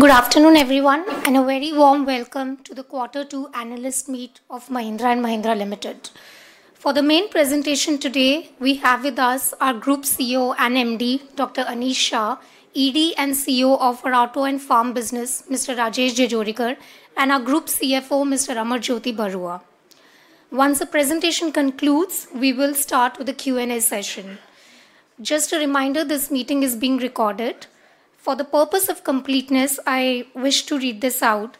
Good afternoon, everyone, and a very warm welcome to the quarter two analyst meet of Mahindra & Mahindra Limited. For the main presentation today, we have with us our Group CEO & MD, Dr. Anish Shah, ED & CEO of Auto & Farm Business, Mr. Rajesh Jejurikar, and our Group CFO, Mr. Amarjyoti Barua. Once the presentation concludes, we will start with the Q&A session. Just a reminder, this meeting is being recorded. For the purpose of completeness, I wish to read this out.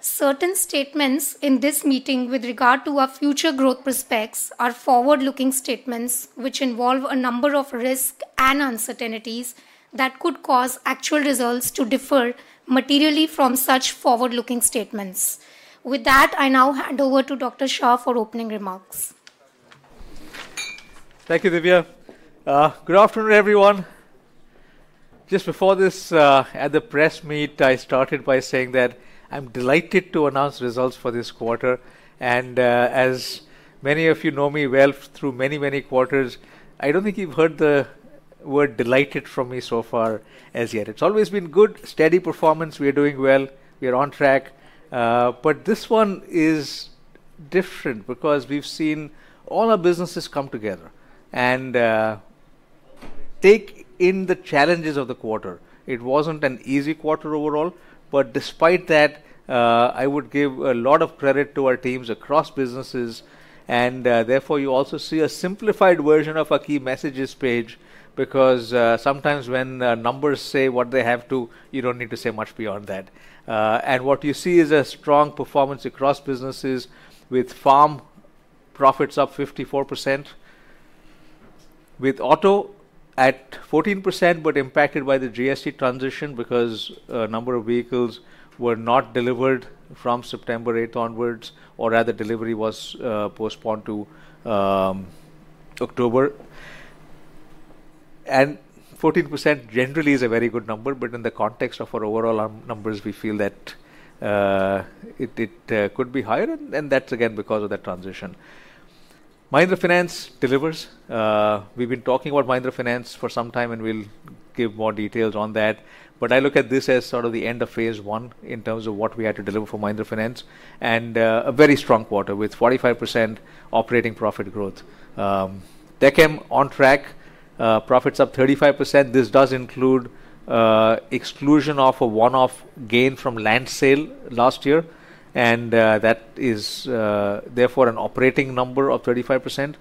Certain statements in this meeting with regard to our future growth prospects are forward-looking statements which involve a number of risks and uncertainties that could cause actual results to differ materially from such forward-looking statements. With that, I now hand over to Dr. Shah for opening remarks. Thank you, Divya. Good afternoon, everyone. Just before this, at the press meet, I started by saying that I'm delighted to announce results for this quarter. And as many of you know me well through many, many quarters, I don't think you've heard the word "delighted" from me so far as yet. It's always been good, steady performance. We are doing well. We are on track. But this one is different because we've seen all our businesses come together and take in the challenges of the quarter. It wasn't an easy quarter overall, but despite that, I would give a lot of credit to our teams across businesses. Therefore, you also see a simplified version of our key messages page because sometimes when numbers say what they have to, you don't need to say much beyond that. What you see is a strong performance across businesses with farm profits up 54%, with auto at 14%, but impacted by the GST transition because a number of vehicles were not delivered from September 8th onwards, or rather delivery was postponed to October. 14% generally is a very good number, but in the context of our overall numbers, we feel that it could be higher. That's again because of that transition. Mahindra Finance delivers. We've been talking about Mahindra Finance for some time, and we'll give more details on that. I look at this as sort of the end of phase I in terms of what we had to deliver for Mahindra Finance and a very strong quarter with 45% operating profit growth. Tech M on track, profits up 35%. This does include exclusion of a one-off gain from land sale last year. That is therefore an operating number of 35%.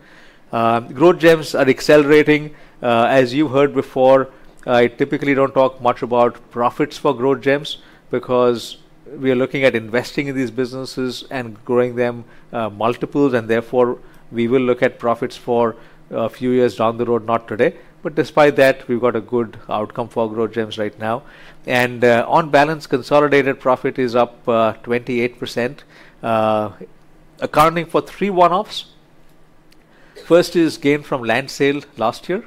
Growth gems are accelerating. As you've heard before, I typically don't talk much about profits for growth gems because we are looking at investing in these businesses and growing them multiples, and therefore we will look at profits for a few years down the road, not today. Despite that, we've got a good outcome for growth gems right now. On balance, consolidated profit is up 28%, accounting for three one-offs. First is gain from land sale last year.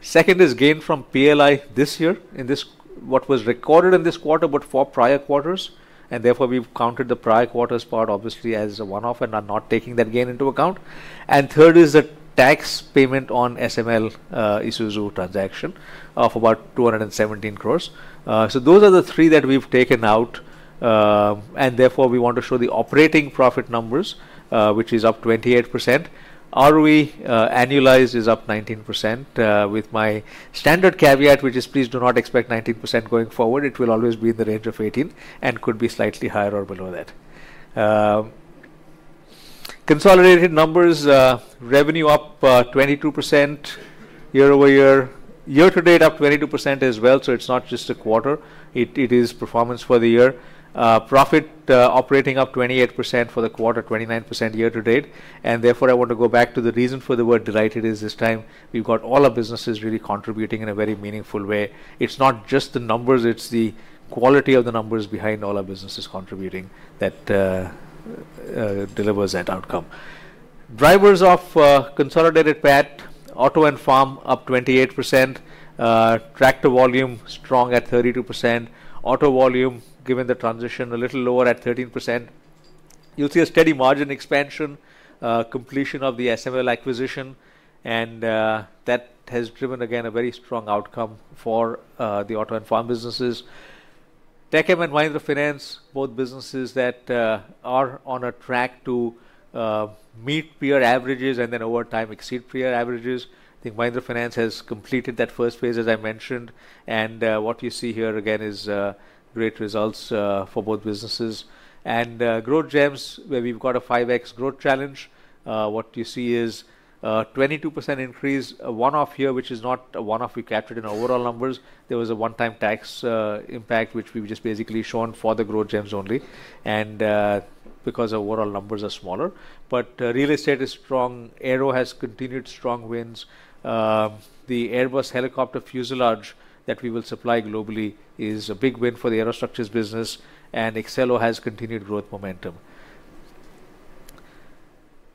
Second is gain from PLI this year in what was recorded in this quarter, but four prior quarters. Therefore, we've counted the prior quarter's part obviously as a one-off and are not taking that gain into account. Third is a tax payment on SML Isuzu transaction of about 217 crore. Those are the three that we've taken out. Therefore, we want to show the operating profit numbers, which is up 28%. ROE annualized is up 19% with my standard caveat, which is please do not expect 19% going forward. It will always be in the range of 18% and could be slightly higher or below that. Consolidated numbers, revenue up 22% year-over-year. Year-to-date up 22% as well. It is not just a quarter. It is performance for the year. Profit operating up 28% for the quarter, 29% year-to-date. Therefore, I want to go back to the reason for the word "delighted" is this time we have got all our businesses really contributing in a very meaningful way. It is not just the numbers, it is the quality of the numbers behind all our businesses contributing that delivers that outcome. Drivers of consolidated PAT, auto and farm up 28%. Tractor volume strong at 32%. Auto volume, given the transition, a little lower at 13%. You will see a steady margin expansion, completion of the SML acquisition, and that has driven again a very strong outcome for the auto and farm businesses. Tech M and Mahindra Finance, both businesses that are on a track to meet peer averages and then over time exceed peer averages. I think Mahindra Finance has completed that first phase, as I mentioned. What you see here again is great results for both businesses. Growth gems, where we have got a 5X growth challenge, what you see is a 22% increase, a one-off here, which is not a one-off we captured in our overall numbers. There was a one-time tax impact, which we have just basically shown for the growth gems only. Because our overall numbers are smaller. Real estate is strong. Aero has continued strong wins. The Airbus Helicopter fuselage that we will supply globally is a big win for the Aero structures business. Xylo has continued growth momentum.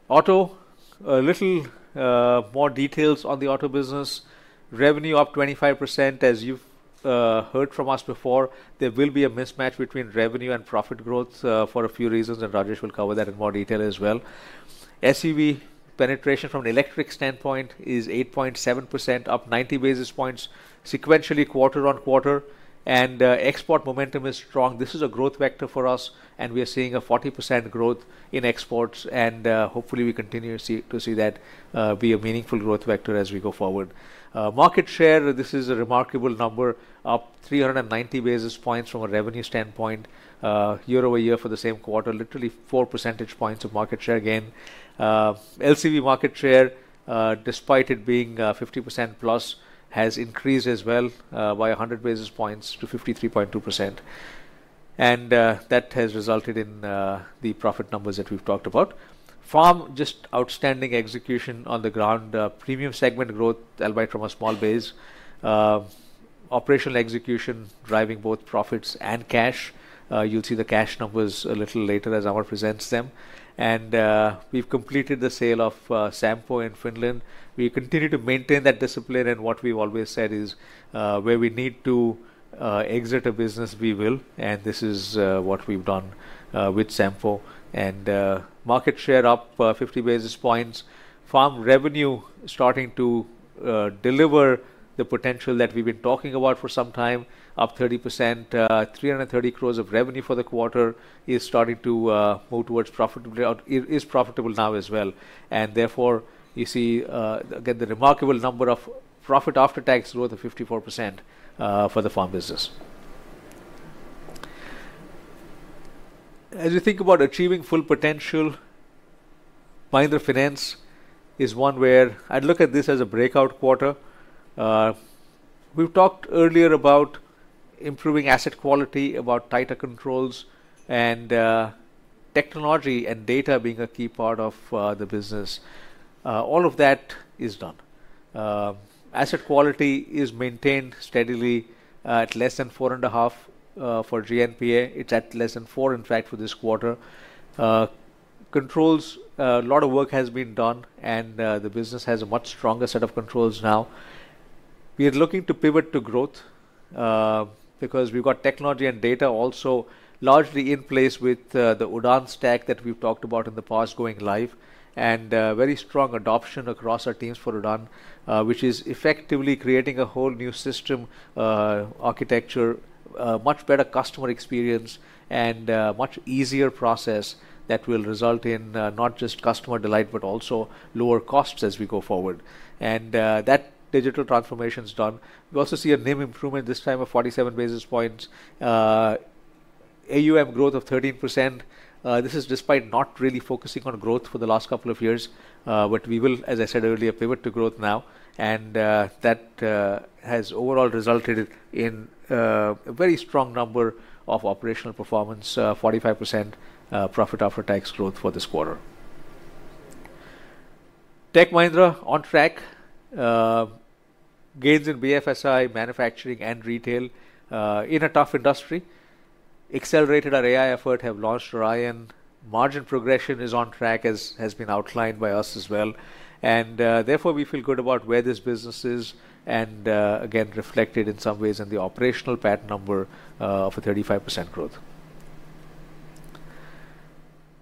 Auto, a little more details on the auto business. Revenue up 25%. As you have heard from us before, there will be a mismatch between revenue and profit growth for a few reasons, and Rajesh will cover that in more detail as well. SUV penetration from an electric standpoint is 8.7%, up 90 basis points sequentially quarter-on-quarter. Export momentum is strong. This is a growth vector for us, and we are seeing a 40% growth in exports. Hopefully we continue to see that be a meaningful growth vector as we go forward. Market share, this is a remarkable number, up 390 basis points from a revenue standpoint. Year-over-year for the same quarter, literally 4 percentage points of market share gain. LCV market share, despite it being 50%+, has increased as well by 100 basis points to 53.2%. That has resulted in the profit numbers that we have talked about. Farm, just outstanding execution on the ground, premium segment growth, albeit from a small base. Operational execution driving both profits and cash. You will see the cash numbers a little later as Amar presents them. We have completed the sale of Sampo in Finland. We continue to maintain that discipline. What we have always said is where we need to exit a business, we will. This is what we have done with Sampo. Market share up 50 basis points. Farm revenue starting to deliver the potential that we've been talking about for some time, up 30%. 330 crore of revenue for the quarter is starting to move towards profitability. It is profitable now as well. Therefore, you see again the remarkable number of profit after tax growth of 54% for the farm business. As you think about achieving full potential, Mahindra Finance is one where I'd look at this as a breakout quarter. We've talked earlier about improving asset quality, about tighter controls, and technology and data being a key part of the business. All of that is done. Asset quality is maintained steadily at less than four and a half for GNPA. It's at less than four, in fact, for this quarter. Controls, a lot of work has been done, and the business has a much stronger set of controls now. We are looking to pivot to growth because we've got technology and data also largely in place with the Udaan stack that we've talked about in the past going live. Very strong adoption across our teams for Udaan, which is effectively creating a whole new system architecture, much better customer experience, and a much easier process that will result in not just customer delight, but also lower costs as we go forward. That digital transformation is done. We also see a name improvement this time of 47 basis points. AUM growth of 13%. This is despite not really focusing on growth for the last couple of years, but we will, as I said earlier, pivot to growth now. That has overall resulted in a very strong number of operational performance, 45% profit after tax growth for this quarter. Tech Mahindra on track. Gains in BFSI, manufacturing, and retail in a tough industry. Accelerated our AI effort, have launched Orion. Margin progression is on track, as has been outlined by us as well. Therefore, we feel good about where this business is and again reflected in some ways in the operational PAT number of a 35% growth.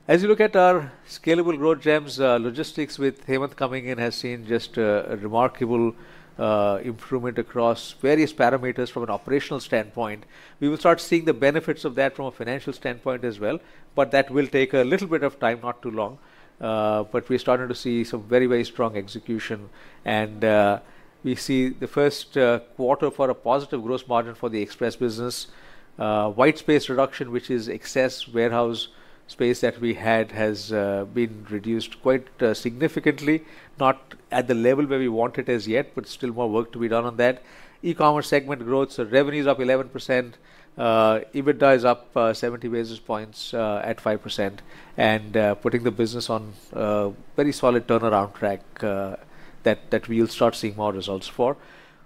As you look at our scalable growth gems, logistics with Hemant coming in has seen just a remarkable improvement across various parameters from an operational standpoint. We will start seeing the benefits of that from a financial standpoint as well, but that will take a little bit of time, not too long. We're starting to see some very, very strong execution. We see the first quarter for a positive gross margin for the express business. White space reduction, which is excess warehouse space that we had, has been reduced quite significantly, not at the level where we want it as yet, but still more work to be done on that. E-commerce segment growth, so revenues up 11%. EBITDA is up 70 basis points at 5%, and putting the business on a very solid turnaround track that we'll start seeing more results for.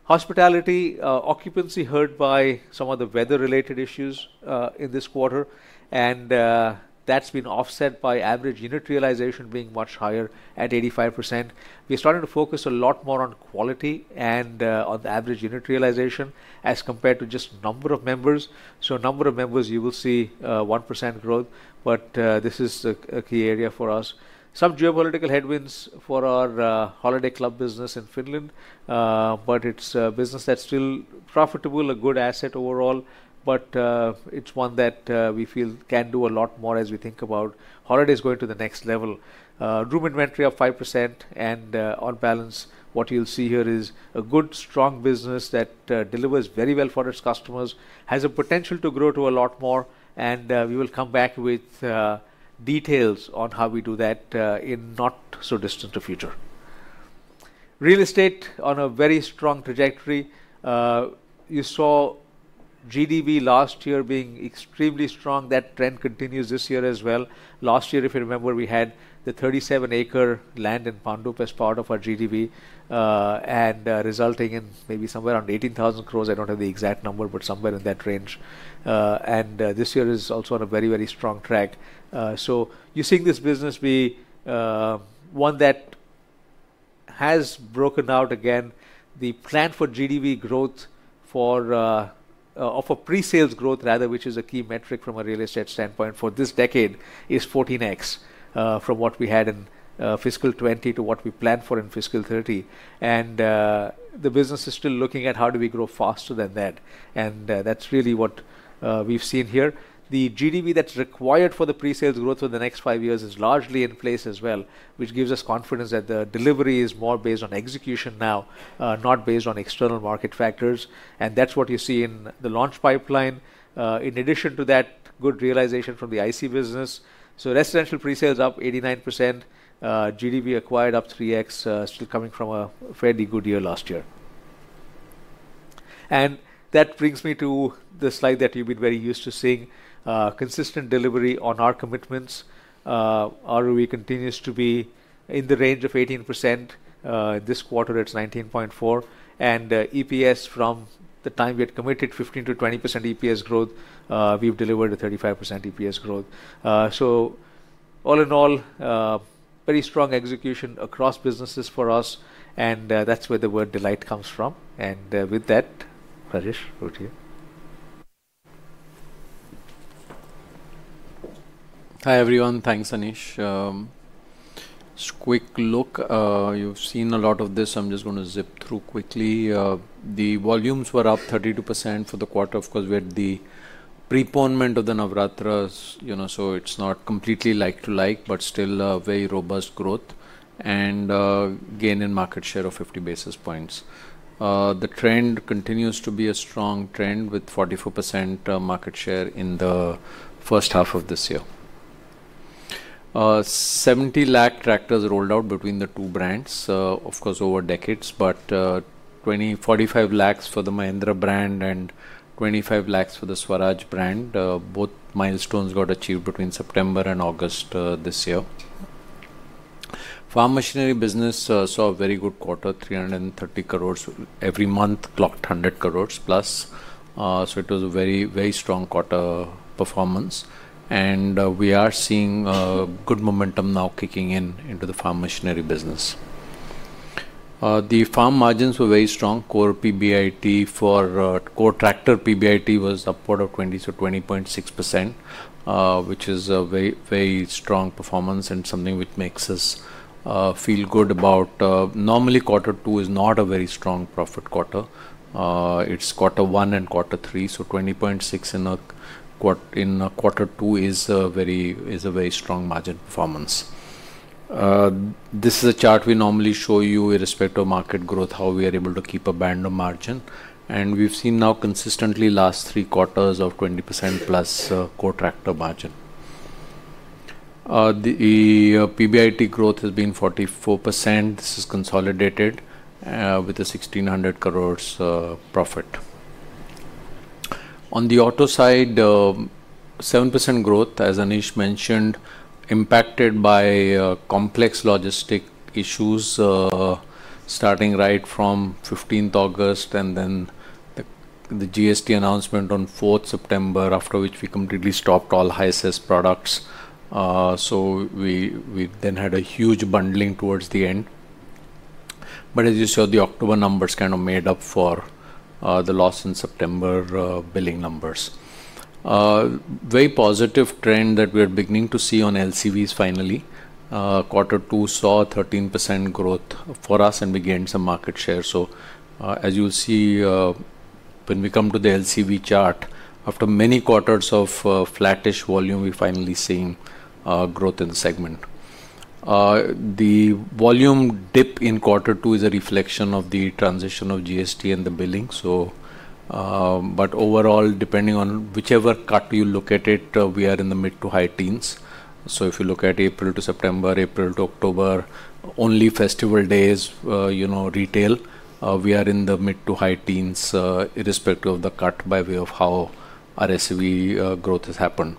Hospitality, occupancy hurt by some of the weather-related issues in this quarter, and that's been offset by average unit realization being much higher at 85%. We're starting to focus a lot more on quality and on the average unit realization as compared to just number of members. So number of members, you will see 1% growth, but this is a key area for us. Some geopolitical headwinds for our holiday club business in Finland. But it's a business that's still profitable, a good asset overall. But it's one that we feel can do a lot more as we think about holidays going to the next level. Room inventory up 5%. On balance, what you'll see here is a good, strong business that delivers very well for its customers, has a potential to grow to a lot more. We will come back with details on how we do that in not so distant a future. Real estate on a very strong trajectory. You saw GDV last year being extremely strong. That trend continues this year as well. Last year, if you remember, we had the 37-acre land in Bhandup as part of our GDV, resulting in maybe somewhere around 18,000 crore. I don't have the exact number, but somewhere in that range. This year is also on a very, very strong track. You're seeing this business be one that has broken out again. The plan for GDV growth for, or a pre-sales growth rather, which is a key metric from a real estate standpoint for this decade, is 14X from what we had in fiscal 2020 to what we planned for in fiscal 2030. The business is still looking at how do we grow faster than that. That's really what we've seen here. The GDV that's required for the pre-sales growth for the next five years is largely in place as well, which gives us confidence that the delivery is more based on execution now, not based on external market factors. That's what you see in the launch pipeline. In addition to that, good realization from the IC business. Residential pre-sales up 89%. GDV acquired up 3X, still coming from a fairly good year last year. That brings me to the slide that you've been very used to seeing, consistent delivery on our commitments. ROE continues to be in the range of 18%. This quarter it's 19.4%. EPS from the time we had committed 15%-20% EPS growth, we've delivered a 35% EPS growth. All in all, very strong execution across businesses for us. That's where the word delight comes from. With that, Rajesh, over to you. Hi everyone. Thanks, Anish. Quick look. You've seen a lot of this. I'm just going to zip through quickly. The volumes were up 32% for the quarter. Of course, we had the preponment of the Navratri. It's not completely like to like, but still a very robust growth and gain in market share of 50 basis points. The trend continues to be a strong trend with 44% market share in the first half of this year. 70 lakh tractors rolled out between the two brands, of course, over decades, but 45 lakhs for the Mahindra brand and 25 lakh for the Swaraj brand. Both milestones got achieved between September and August this year. Farm machinery business saw a very good quarter, 330 crore every month, clocked 100+ crore. It was a very, very strong quarter performance. We are seeing good momentum now kicking in into the farm machinery business. The farm margins were very strong. Core PBIT for core tractor PBIT was upward of 20%, so 20.6%. Which is a very, very strong performance and something which makes us feel good about. Normally, quarter two is not a very strong profit quarter. It's quarter one and quarter three. 20.6% in quarter two is a very strong margin performance. This is a chart we normally show you irrespective of market growth, how we are able to keep a band of margin. We've seen now consistently last three quarters of 20%+ core tractor margin. The PBIT growth has been 44%. This is consolidated with a 1,600 crore profit. On the auto side, 7% growth, as Anish mentioned, impacted by complex logistic issues. Starting right from 15th August and then the GST announcement on 4th September, after which we completely stopped all HiSys products. We then had a huge bundling towards the end. As you saw, the October numbers kind of made up for the loss in September billing numbers. Very positive trend that we're beginning to see on LCVs finally. Quarter two saw 13% growth for us and we gained some market share. As you'll see when we come to the LCV chart, after many quarters of flattish volume, we finally seen growth in the segment. The volume dip in quarter two is a reflection of the transition of GST and the billing. Overall, depending on whichever cut you look at it, we are in the mid to high teens. If you look at April to September, April to October, only festival days. Retail, we are in the mid to high teens irrespective of the cut by way of how our SUV growth has happened.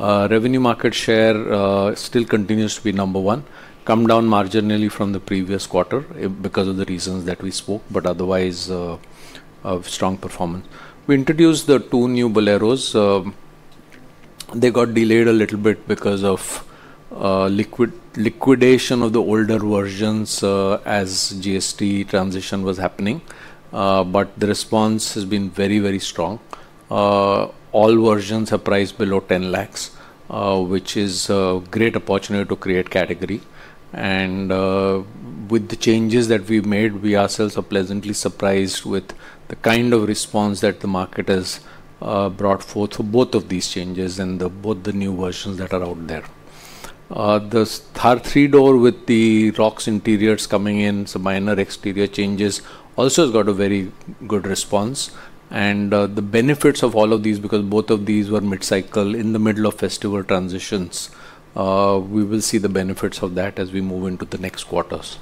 Revenue market share still continues to be number one, come down marginally from the previous quarter because of the reasons that we spoke, but otherwise strong performance. We introduced the two new Boleros. They got delayed a little bit because of liquidation of the older versions as GST transition was happening. The response has been very, very strong. All versions are priced below 1 lakhs, which is a great opportunity to create category. With the changes that we made, we ourselves are pleasantly surprised with the kind of response that the market has brought forth for both of these changes and both the new versions that are out there. The Thar 3-Door with the rocks interiors coming in, some minor exterior changes also has got a very good response. The benefits of all of these, because both of these were mid-cycle in the middle of festival transitions. We will see the benefits of that as we move into the next quarters.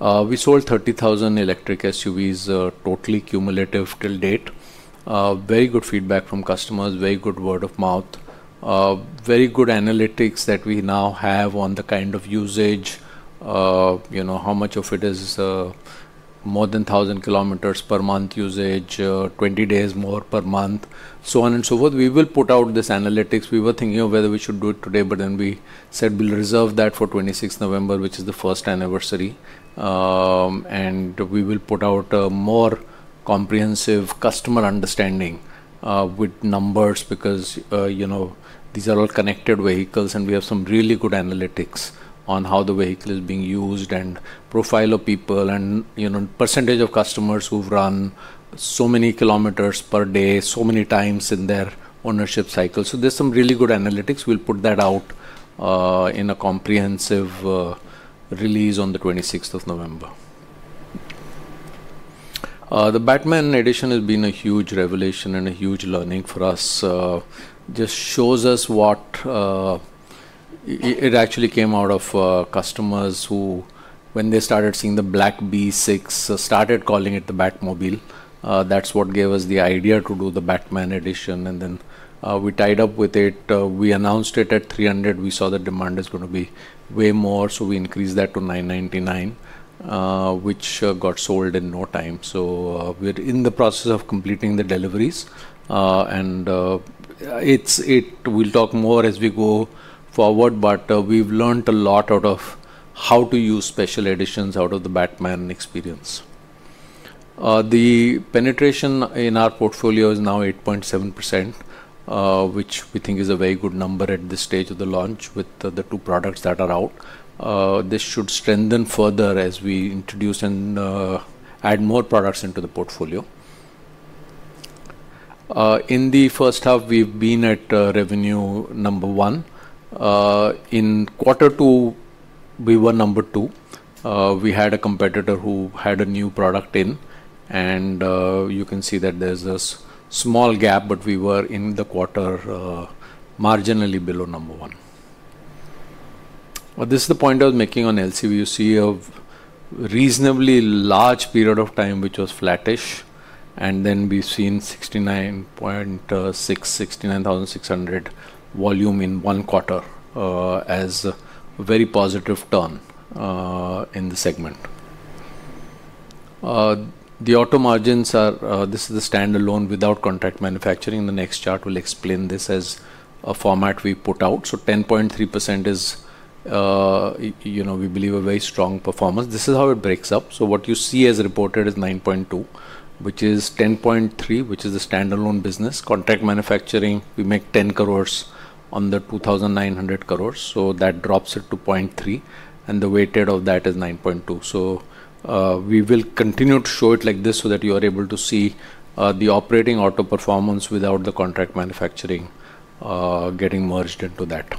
We sold 30,000 electric SUVs totally cumulative till date. Very good feedback from customers, very good word of mouth. Very good analytics that we now have on the kind of usage. How much of it is more than 1,000 km per month usage, 20 days more per month, so on and so forth. We will put out this analytics. We were thinking of whether we should do it today, but then we said we'll reserve that for 26th November, which is the first anniversary. We will put out a more comprehensive customer understanding with numbers because these are all connected vehicles and we have some really good analytics on how the vehicle is being used and profile of people and percentage of customers who've run so many kilometers per day, so many times in their ownership cycle. There is some really good analytics. We'll put that out in a comprehensive release on the 26th of November. The Batman Edition has been a huge revelation and a huge learning for us. It actually came out of customers who, when they started seeing the Black B6, started calling it the Batmobile. That's what gave us the idea to do the Batman Edition. We tied up with it. We announced it at 300. We saw the demand is going to be way more. We increased that to 999, which got sold in no time. We are in the process of completing the deliveries. We'll talk more as we go forward, but we've learned a lot out of how to use special editions out of the Batman experience. The penetration in our portfolio is now 8.7%, which we think is a very good number at this stage of the launch with the two products that are out. This should strengthen further as we introduce and add more products into the portfolio. In the first half, we've been at revenue number one. In quarter two, we were number two. We had a competitor who had a new product in. You can see that there's a small gap, but we were in the quarter marginally below number one. This is the point I was making on LCV. You see a reasonably large period of time which was flattish. Then we've seen 69,600 volume in one quarter as a very positive turn in the segment. The auto margins are, this is the standalone without contract manufacturing. The next chart will explain this as a format we put out. So 10.3% is. We believe a very strong performance. This is how it breaks up. So what you see as reported is 9.2, which is 10.3, which is the standalone business. Contract manufacturing, we make 10 crore on the 2,900 crore. So that drops it to 0.3%. And the weighted of that is 9.2%. We will continue to show it like this so that you are able to see the operating auto performance without the contract manufacturing. Getting merged into that.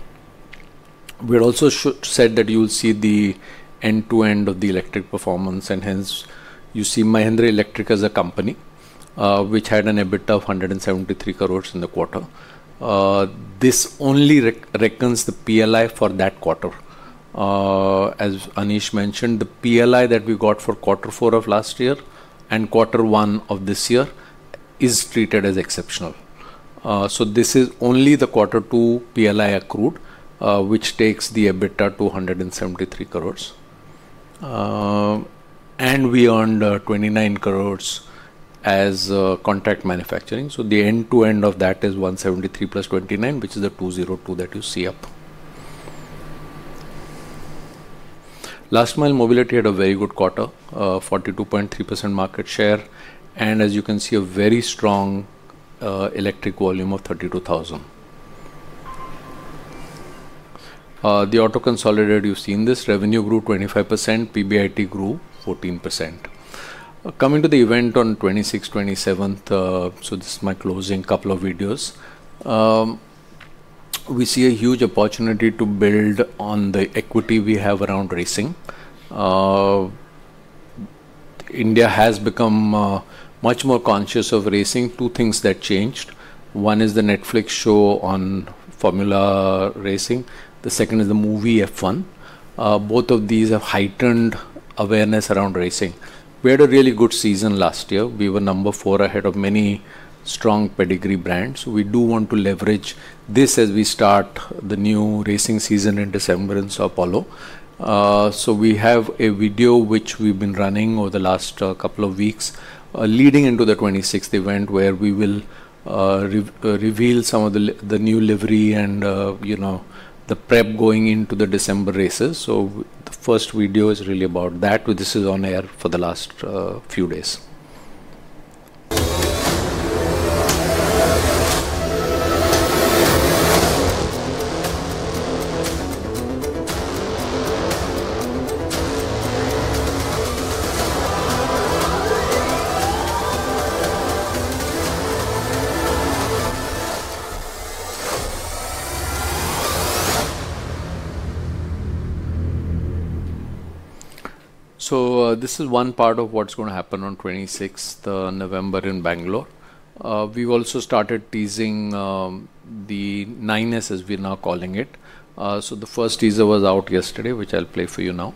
We also said that you'll see the end-to-end of the electric performance. Hence, you see Mahindra Electric as a company. Which had an EBITDA of 173 crore in the quarter. This only reckons the PLI for that quarter. As Anish mentioned, the PLI that we got for quarter four of last year and quarter one of this year is treated as exceptional. This is only the quarter two PLI accrued, which takes the EBITDA 273 crore. We earned 29 crore as contract manufacturing. The end-to-end of that is 173+29, which is the 202 that you see up. Last mile, Mobility had a very good quarter, 42.3% market share. As you can see, a very strong. Electric volume of 32,000. The auto consolidated, you've seen this. Revenue grew 25%. PBIT grew 14%. Coming to the event on 26th, 27th, this is my closing couple of videos. We see a huge opportunity to build on the equity we have around racing. India has become much more conscious of racing. Two things that changed. One is the Netflix show on Formula Racing. The second is the movie F1. Both of these have heightened awareness around racing. We had a really good season last year. We were number four ahead of many strong pedigree brands. We do want to leverage this as we start the new racing season in December in Sao Paulo. We have a video which we've been running over the last couple of weeks leading into the 26th event where we will. Reveal some of the new livery and the prep going into the December races. The first video is really about that. This is on air for the last few days. This is one part of what's going to happen on 26th November in Bengaluru. We've also started teasing. The 9S, as we're now calling it. The first teaser was out yesterday, which I'll play for you now.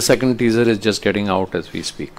The second teaser is just getting out as we speak.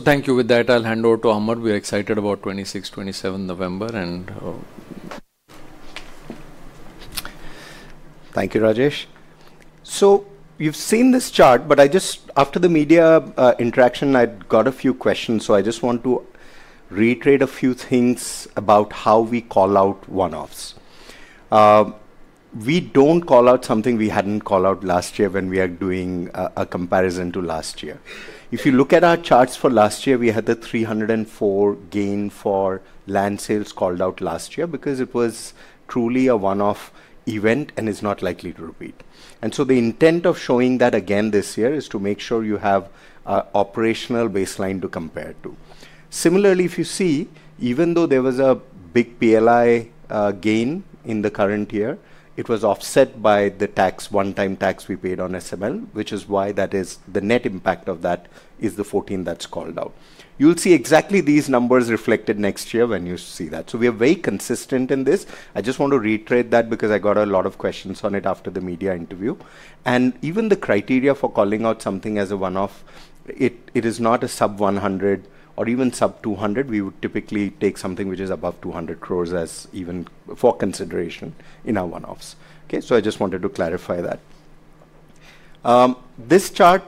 Thank you. With that, I'll hand over to Amar. We are excited about 26th, 27th November. Thank you, Rajesh. You've seen this chart, but after the media interaction, I'd got a few questions. I just want to reiterate a few things about how we call out one-offs. We do not call out something we had not called out last year when we are doing a comparison to last year. If you look at our charts for last year, we had the 304 crore gain for land sales called out last year because it was truly a one-off event and is not likely to repeat. The intent of showing that again this year is to make sure you have an operational baseline to compare to. Similarly, if you see, even though there was a big PLI gain in the current year, it was offset by the one-time tax we paid on SML, which is why the net impact of that is the 14 crore that is called out. You will see exactly these numbers reflected next year when you see that. We are very consistent in this. I just want to reiterate that because I got a lot of questions on it after the media interview. Even the criteria for calling out something as a one-off, it is not a sub-100 or even sub-200. We would typically take something which is above 200 crore as even for consideration in our one-offs. Okay. I just wanted to clarify that. This chart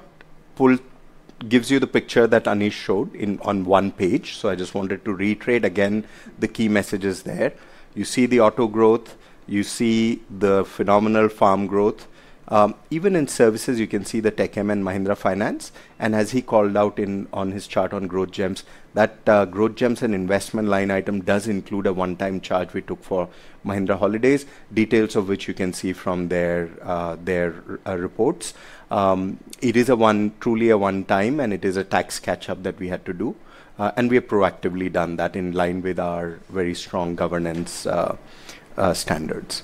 gives you the picture that Anish showed on one page. I just wanted to reiterate again the key messages there. You see the auto growth. You see the phenomenal farm growth. Even in services, you can see the Tech Mahindra and Mahindra Finance. As he called out on his chart on Growth Gems, that Growth Gems and investment line item does include a one-time charge we took for Mahindra Holidays, details of which you can see from their reports. It is truly a one-time, and it is a tax catch-up that we had to do. We have proactively done that in line with our very strong governance standards.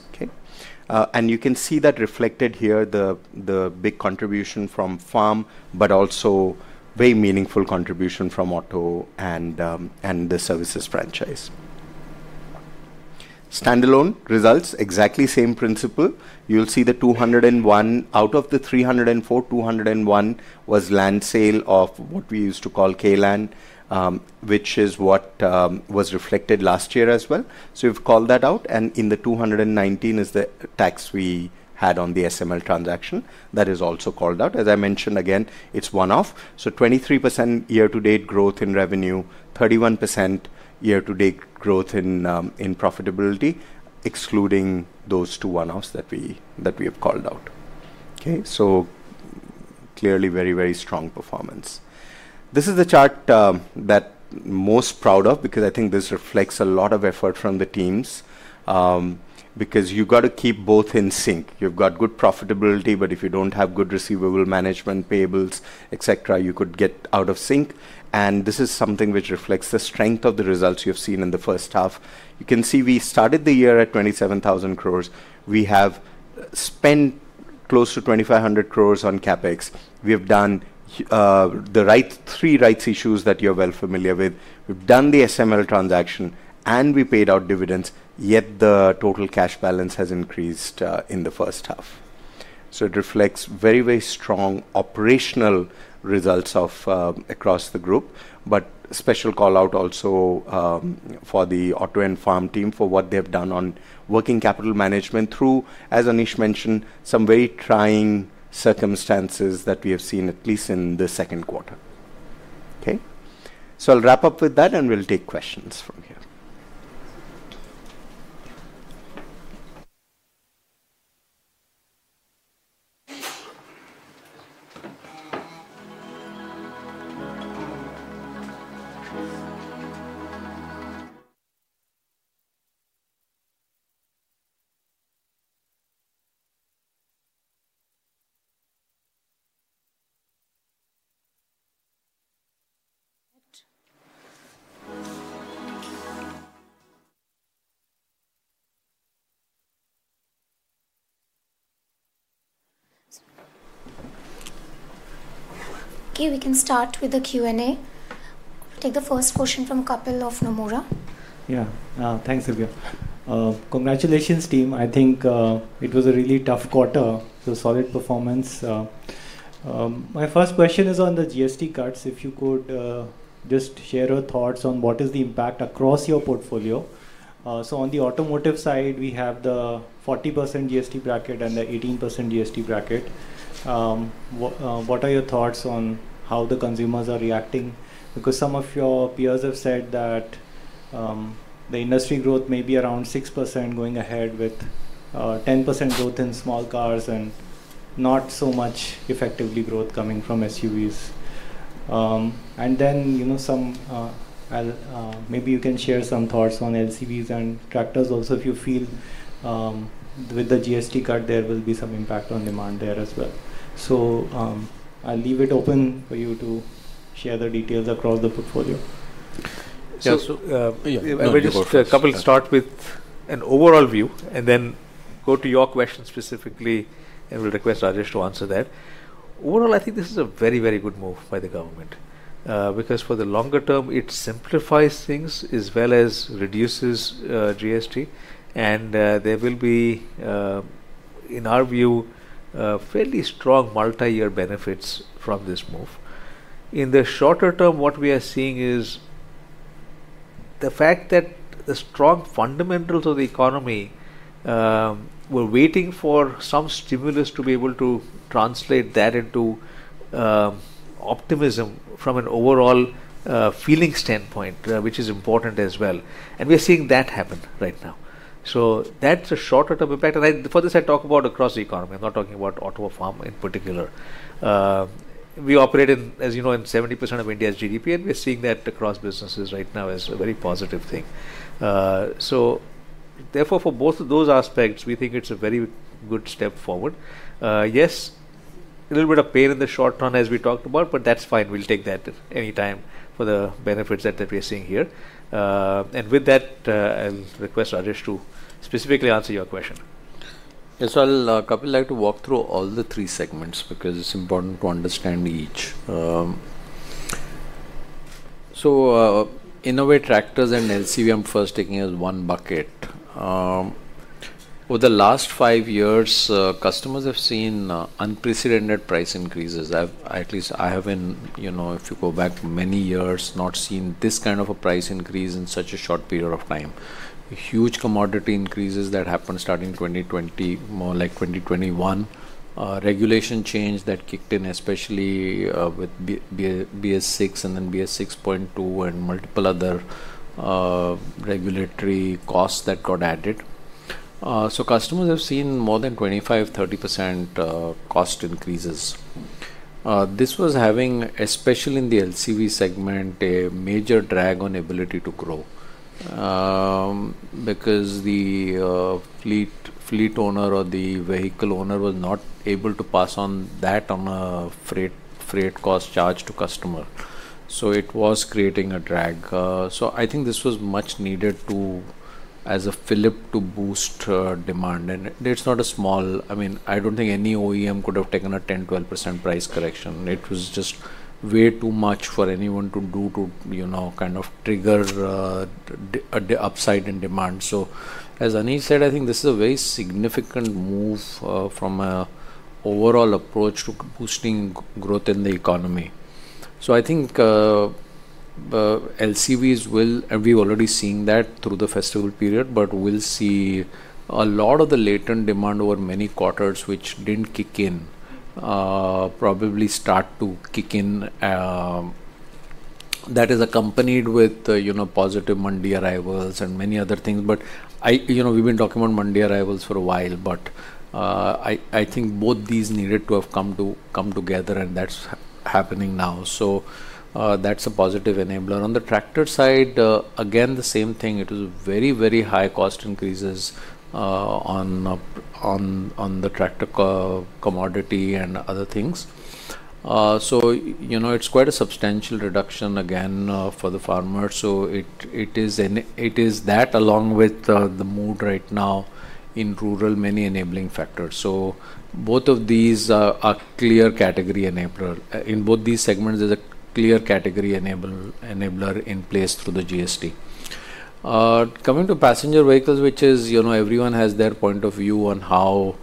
Okay. You can see that reflected here, the big contribution from farm, but also very meaningful contribution from auto and the services franchise. Standalone results, exactly same principle. You will see the 201 crore out of the 304 crore, 201 crore was land sale of what we used to call K Land, which is what was reflected last year as well. We have called that out. The 219 crore is the tax we had on the SML transaction that is also called out. As I mentioned again, it is one-off. 23% year-to-date growth in revenue, 31% year-to-date growth in profitability, excluding those two one-offs that we have called out. Okay. Clearly, very, very strong performance. This is the chart that I am most proud of because I think this reflects a lot of effort from the teams. You have to keep both in sync. You have good profitability, but if you do not have good receivable management, payables, etc., you could get out of sync. This is something which reflects the strength of the results you have seen in the first half. You can see we started the year at 27,000 crore. We have spent close to 2,500 crore on CapEx. We have done the three rights issues that you're well familiar with. We've done the SML transaction, and we paid out dividends. Yet the total cash balance has increased in the first half. It reflects very, very strong operational results across the group. A special call out also for the auto and farm team for what they've done on working capital management through, as Anish mentioned, some very trying circumstances that we have seen, at least in the second quarter. Okay. I'll wrap up with that, and we'll take questions from here. Okay. We can start with the Q&A. Take the first question from Kapil of Nomura. Yeah. Thanks, Divya. Congratulations, team. I think it was a really tough quarter, so solid performance. My first question is on the GST cards. If you could just share your thoughts on what is the impact across your portfolio. On the automotive side, we have the 40% GST bracket and the 18% GST bracket. What are your thoughts on how the consumers are reacting? Because some of your peers have said that the industry growth may be around 6% going ahead with 10% growth in small cars and not so much effectively growth coming from SUVs. Maybe you can share some thoughts on LCVs and tractors also, if you feel. With the GST card, there will be some impact on demand there as well. I'll leave it open for you to share the details across the portfolio. Yeah. We'll just, Kapil, start with an overall view and then go to your question specifically, and we'll request Rajesh to answer that. Overall, I think this is a very, very good move by the government. For the longer term, it simplifies things as well as reduces GST. There will be, in our view, fairly strong multi-year benefits from this move. In the shorter term, what we are seeing is the fact that the strong fundamentals of the economy were waiting for some stimulus to be able to translate that into optimism from an overall feeling standpoint, which is important as well. We're seeing that happen right now. That's a shorter-term effect. For this, I talk about across the economy. I'm not talking about auto or farm in particular. We operate in, as you know, 70% of India's GDP, and we're seeing that across businesses right now as a very positive thing. Therefore, for both of those aspects, we think it's a very good step forward. Yes, a little bit of pain in the short term, as we talked about, but that's fine. We'll take that anytime for the benefits that we're seeing here. With that, I'll request Rajesh to specifically answer your question. Yes. Kapil, I'd like to walk through all the three segments because it's important to understand each. Innovate Tractors and LCV, I'm first taking as one bucket. Over the last five years, customers have seen unprecedented price increases. At least I have been, if you go back many years, not seen this kind of a price increase in such a short period of time. Huge commodity increases that happened starting 2020, more like 2021. Regulation change that kicked in, especially with BS6 and then BS6.2 and multiple other regulatory costs that got added. Customers have seen more than 25%-30% cost increases. This was having, especially in the LCV segment, a major drag on ability to grow. Because the fleet owner or the vehicle owner was not able to pass on that on a freight cost charge to customer. It was creating a drag. I think this was much needed as a flip to boost demand. It's not a small—I mean, I don't think any OEM could have taken a 10%-12% price correction. It was just way too much for anyone to do to kind of trigger an upside in demand. As Anish said, I think this is a very significant move from an overall approach to boosting growth in the economy. I think LCVs will—and we've already seen that through the festival period—but we'll see a lot of the latent demand over many quarters, which didn't kick in, probably start to kick in. That is accompanied with positive Monday arrivals and many other things. We've been talking about Monday arrivals for a while, but I think both these needed to have come together, and that's happening now. That's a positive enabler. On the tractor side, again, the same thing. It was very, very high cost increases on the tractor commodity and other things. It's quite a substantial reduction again for the farmer. It is that along with the mood right now in rural, many enabling factors. Both of these are clear category enabler. In both these segments, there's a clear category enabler in place through the GST. Coming to passenger vehicles, which is everyone has their point of view on how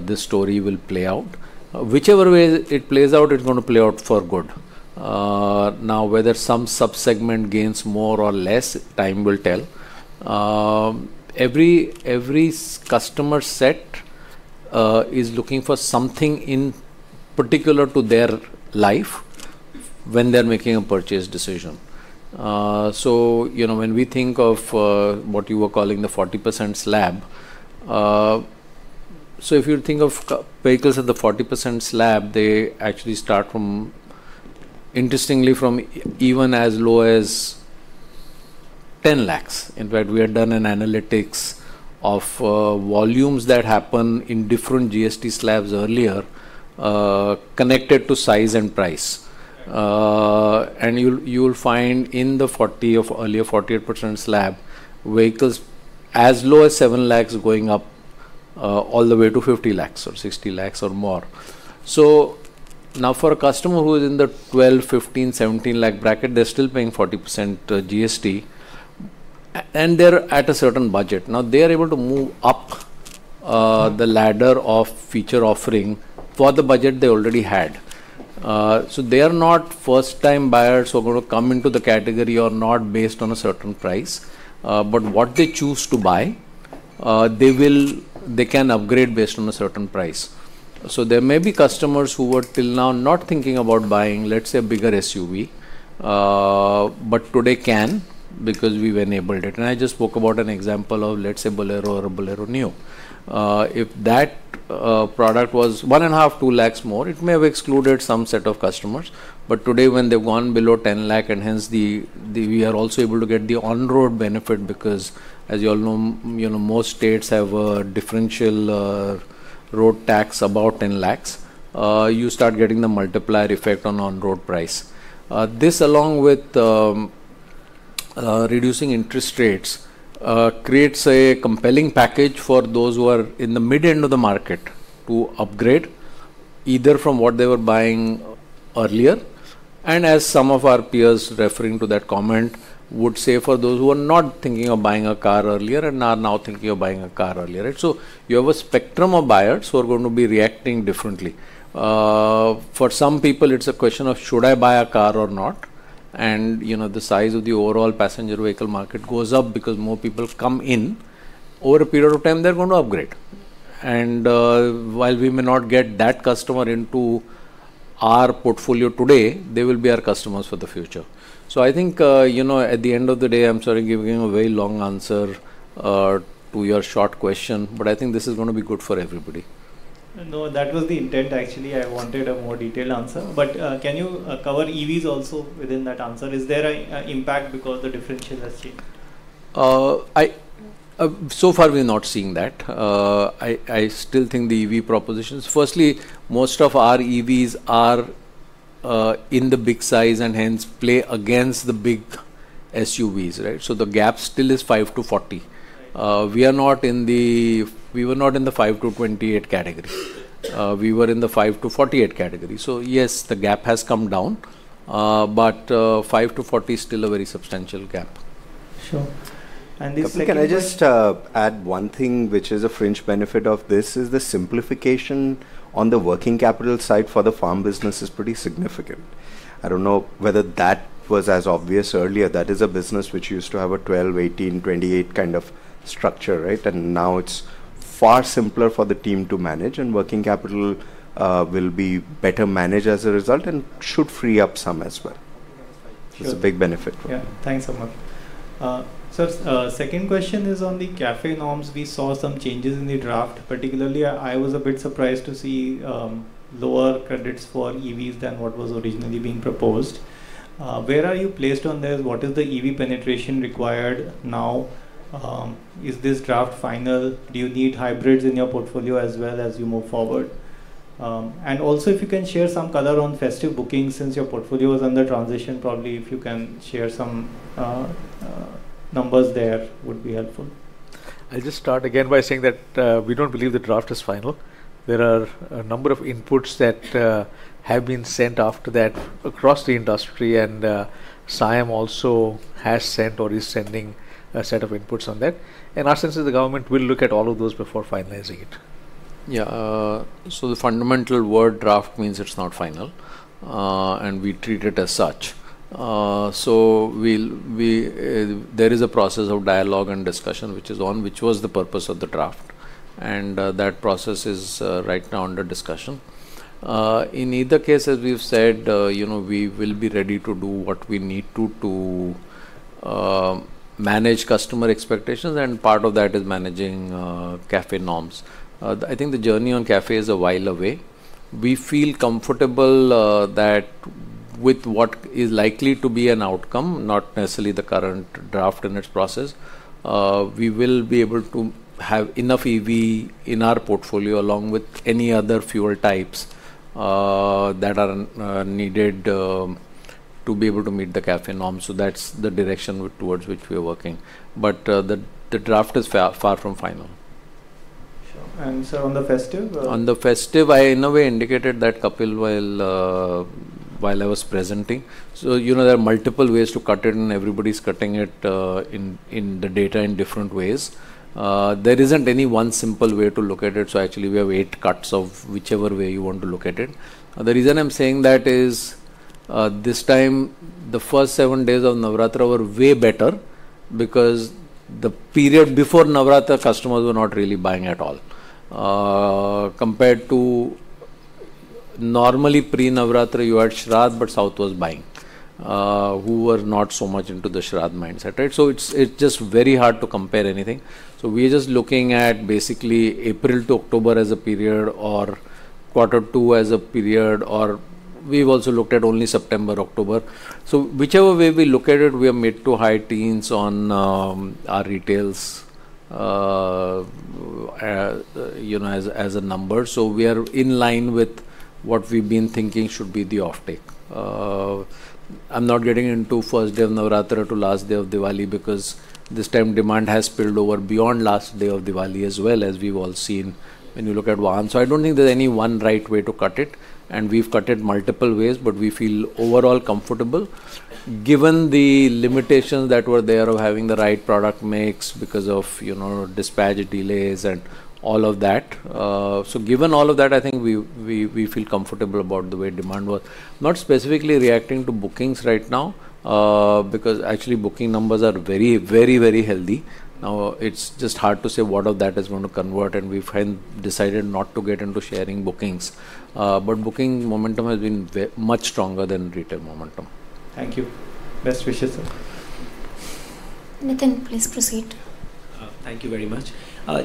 this story will play out. Whichever way it plays out, it's going to play out for good. Now, whether some subsegment gains more or less, time will tell. Every customer set is looking for something in particular to their life when they're making a purchase decision. When we think of what you were calling the 40% slab, if you think of vehicles at the 40% slab, they actually start from, interestingly, from even as low as 10 lakhs. In fact, we had done an analytics of volumes that happen in different GST slabs earlier, connected to size and price. You'll find in the earlier 48% slab, vehicles as low as 7 lakhs going up all the way to 50 lakhs or 60 lakhs or more. Now for a customer who is in the 12 lakh, 15 lak, 17 lakh brackeINR t, they're still paying 40% GST. They're at a certain budget. Now, they are able to move up the ladder of feature offering for the budget they already had. They are not first-time buyers who are going to come into the category or not based on a certain price, but what they choose to buy. They can upgrade based on a certain price. There may be customers who were till now not thinking about buying, let's say, a bigger SUV, but today can because we've enabled it. I just spoke about an example of, let's say, Bolero or Bolero Neo. If that product was 1.5 lakhs, 2 lakhs more, it may have excluded some set of customers. Today, when they've gone below 10 lakh, we are also able to get the on-road benefit because, as you all know, most states have a differential road tax. Above 10 lakhs, you start getting the multiplier effect on on-road price. This, along with reducing interest rates, creates a compelling package for those who are in the mid-end of the market to upgrade either from what they were buying earlier. As some of our peers, referring to that comment, would say, for those who are not thinking of buying a car earlier and are now thinking of buying a car earlier. You have a spectrum of buyers who are going to be reacting differently. For some people, it's a question of, "Should I buy a car or not?" The size of the overall passenger vehicle market goes up because more people come in. Over a period of time, they're going to upgrade. While we may not get that customer into our portfolio today, they will be our customers for the future. I think at the end of the day, I'm sorry for giving a very long answer to your short question, but I think this is going to be good for everybody. No, that was the intent, actually. I wanted a more detailed answer. Can you cover EVs also within that answer? Is there an impact because the differential has changed? So far, we're not seeing that. I still think the EV propositions—firstly, most of our EVs are in the big size and hence play against the big SUVs, right? The gap still is 5%-40%. We were not in the 5%-28% category. We were in the 5%-48% category. Yes, the gap has come down, but 5%-40% is still a very substantial gap. Sure. Can I just add one thing, which is a fringe benefit of this? The simplification on the working capital side for the farm business is pretty significant. I don't know whether that was as obvious earlier. That is a business which used to have a 12, 18, 28 kind of structure, right? Now it is far simpler for the team to manage, and working capital will be better managed as a result and should free up some as well. It is a big benefit. Yeah. Thanks so much. Sir, second question is on the CAFE norms. We saw some changes in the draft. Particularly, I was a bit surprised to see lower credits for EVs than what was originally being proposed. Where are you placed on this? What is the EV penetration required now? Is this draft final? Do you need hybrids in your portfolio as well as you move forward? Also, if you can share some color on festive bookings since your portfolio is under transition, probably if you can share some numbers there would be helpful. I will just start again by saying that we do not believe the draft is final. There are a number of inputs that have been sent after that across the industry, and SIAM also has sent or is sending a set of inputs on that. In our sense, the government will look at all of those before finalizing it. Yeah. The fundamental word "draft" means it is not final. We treat it as such. There is a process of dialogue and discussion which is on, which was the purpose of the draft. That process is right now under discussion. In either case, as we have said, we will be ready to do what we need to manage customer expectations, and part of that is managing CAFE norms. I think the journey on CAFE is a while away. We feel comfortable that with what is likely to be an outcome, not necessarily the current draft in its process, we will be able to have enough EV in our portfolio along with any other fuel types that are needed to be able to meet the CAFE norms. That is the direction towards which we are working. The draft is far from final. Sure. Sir, on the festive? On the festive, I, in a way, indicated that, Kapil, while I was presenting. There are multiple ways to cut it, and everybody is cutting it in the data in different ways. There is not any one simple way to look at it. Actually, we have eight cuts of whichever way you want to look at it. The reason I am saying that is this time, the first seven days of Navratri were way better because the period before Navratri, customers were not really buying at all. Compared to normally pre-Navratri, you had Śrāddha, but South was buying, who were not so much into the Śrāddha mindset, right? It is just very hard to compare anything. We are just looking at basically April to October as a period or quarter two as a period, or we have also looked at only September, October. Whichever way we look at it, we are mid to high teens on our retails as a number. We are in line with what we've been thinking should be the offtake. I'm not getting into first day of Navratri to last day of Diwali because this time demand has spilled over beyond last day of Diwali as well, as we've all seen when you look at one. I don't think there's any one right way to cut it. We've cut it multiple ways, but we feel overall comfortable given the limitations that were there of having the right product mix because of dispatch delays and all of that. Given all of that, I think we feel comfortable about the way demand was. Not specifically reacting to bookings right now because actually, booking numbers are very, very, very healthy. Now, it's just hard to say what of that is going to convert, and we've decided not to get into sharing bookings. Booking momentum has been much stronger than retail momentum. Thank you. Best wishes, sir. Nithiin, please proceed. Thank you very much.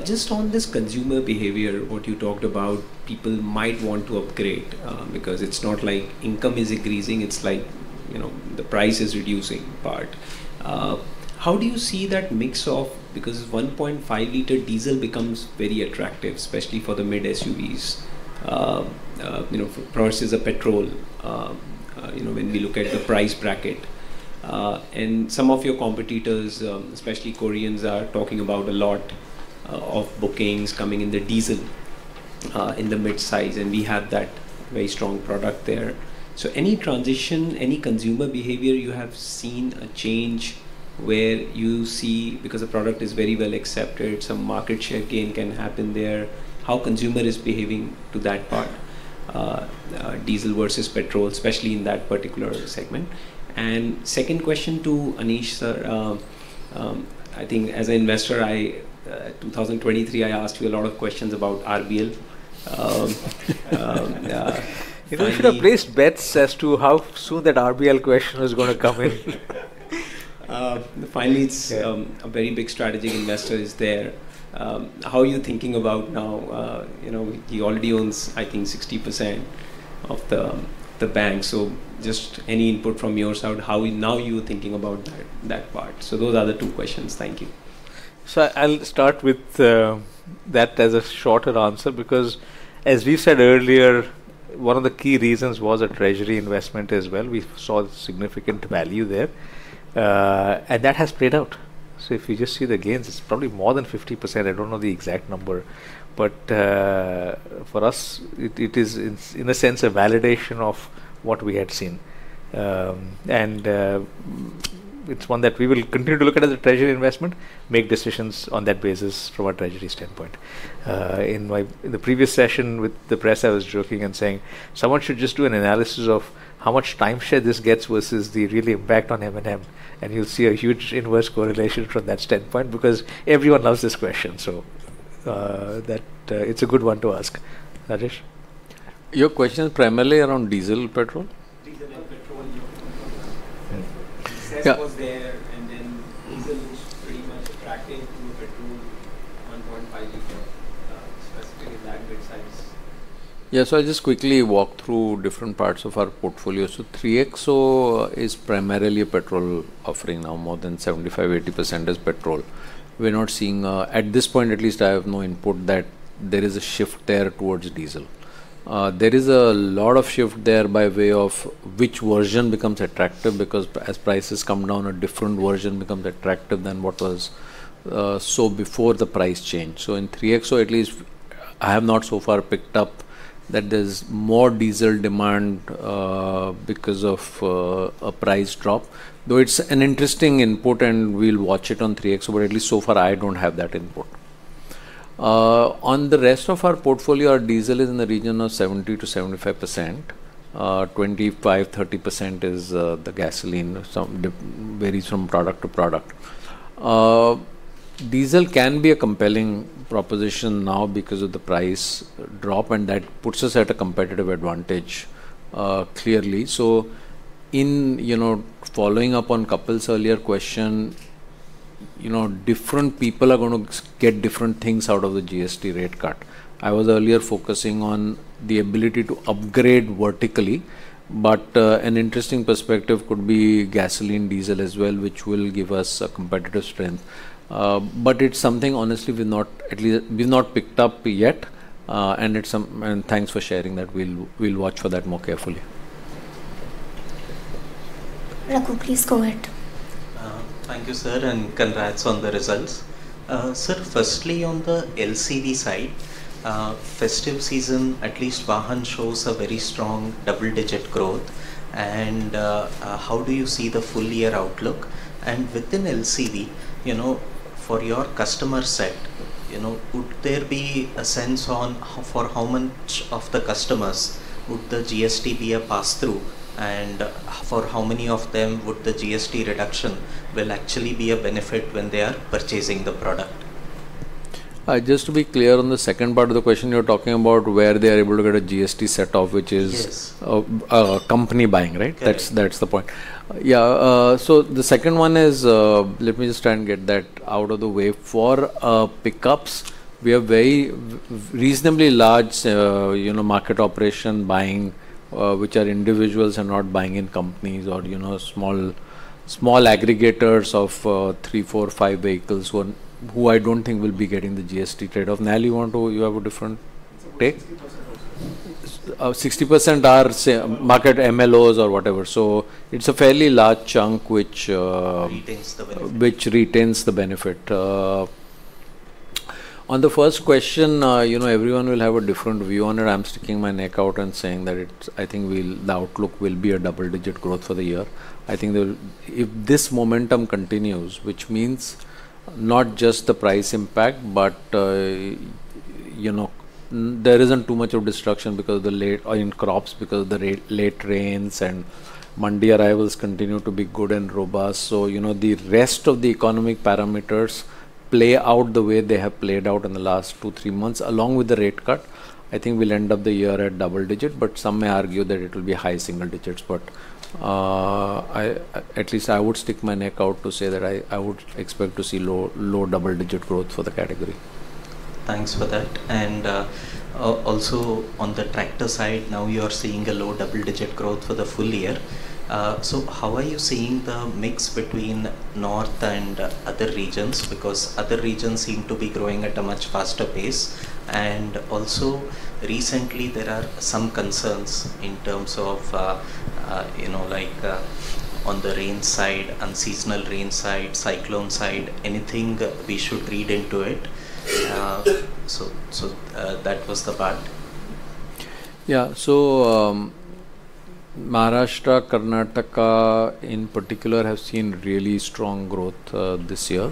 Just on this consumer behavior, what you talked about, people might want to upgrade because it's not like income is increasing. It's like the price is reducing part. How do you see that mix of—because 1.5-liter diesel becomes very attractive, especially for the mid-SUVs versus a petrol. When we look at the price bracket, and some of your competitors, especially Koreans, are talking about a lot of bookings coming in the diesel. In the mid-size, and we have that very strong product there. Any transition, any consumer behavior, you have seen a change where you see because the product is very well accepted, some market share gain can happen there. How consumer is behaving to that part. Diesel versus petrol, especially in that particular segment. Second question to Anish, sir. I think as an investor, 2023, I asked you a lot of questions about RBL. If I should have placed bets as to how soon that RBL question was going to come in. Finally, it's a very big strategic investor is there. How are you thinking about now? He already owns, I think, 60% of the bank. Just any input from your side, how now you're thinking about that part? Those are the two questions. Thank you. I'll start with that as a shorter answer because, as we said earlier, one of the key reasons was a treasury investment as well. We saw significant value there. That has played out. If you just see the gains, it's probably more than 50%. I don't know the exact number. For us, it is, in a sense, a validation of what we had seen. It's one that we will continue to look at as a treasury investment, make decisions on that basis from a treasury standpoint. In the previous session with the press, I was joking and saying someone should just do an analysis of how much time share this gets versus the real impact on M&M. You'll see a huge inverse correlation from that standpoint because everyone loves this question. It's a good one to ask. Rajesh? Your question is primarily around diesel and petrol? Sales was there, and then diesel looks pretty much attractive to a petrol 1.5-liter. Specifically that mid-size. Yeah. I'll just quickly walk through different parts of our portfolio. 3XO is primarily a petrol offering now. More than 75%-80% is petrol. We're not seeing, at this point at least, I have no input that there is a shift there towards diesel. There is a lot of shift there by way of which version becomes attractive because as prices come down, a different version becomes attractive than what was before the price change. In 3XO, at least, I have not so far picked up that there's more diesel demand because of a price drop. Though it's an interesting input, and we'll watch it on 3XO, but at least so far, I don't have that input. On the rest of our portfolio, our diesel is in the region of 70%-75%. 25%-30% is the gasoline. Varies from product to product. Diesel can be a compelling proposition now because of the price drop, and that puts us at a competitive advantage. Clearly. In following up on Kapil's earlier question, different people are going to get different things out of the GST rate cut. I was earlier focusing on the ability to upgrade vertically, but an interesting perspective could be gasoline, diesel as well, which will give us a competitive strength. It's something, honestly, we've not picked up yet. Thanks for sharing that. We'll watch for that more carefully. Raku, please go ahead. Thank you, sir, and congrats on the results. Sir, firstly, on the LCV side. Festive season, at least, VAHAN shows a very strong double-digit growth. How do you see the full-year outlook? Within LCV, for your customer set, would there be a sense on for how much of the customers would the GST be a pass-through, and for how many of them would the GST reduction actually be a benefit when they are purchasing the product? Just to be clear on the second part of the question, you're talking about where they are able to get a GST setup, which is company buying, right? That's the point. Yeah. The second one is, let me just try and get that out of the way. For pickups, we have very reasonably large market operation buying, which are individuals and not buying in companies or small aggregators of three, four, five vehicles who I don't think will be getting the GST trade-off. Nell, you want to—you have a different take? 60% also. 60% are market MLOs or whatever. It is a fairly large chunk which retains the benefit. On the first question, everyone will have a different view on it. I am sticking my neck out and saying that I think the outlook will be a double-digit growth for the year. I think if this momentum continues, which means not just the price impact, but there is not too much of destruction because of the late—I mean, crops because of the late rains, and mandi arrivals continue to be good and robust. If the rest of the economic parameters play out the way they have played out in the last two, three months along with the rate cut, I think we will end up the year at double-digit, but some may argue that it will be high single digits. At least I would stick my neck out to say that I would expect to see low double-digit growth for the category. Thanks for that. Also, on the tractor side, now you are seeing a low double-digit growth for the full year. How are you seeing the mix between North and other regions? Because other regions seem to be growing at a much faster pace. Also, recently, there are some concerns in terms of, like on the rain side, unseasonal rain side, cyclone side, anything we should read into it. That was the part. Maharashtra, Karnataka, in particular, have seen really strong growth this year.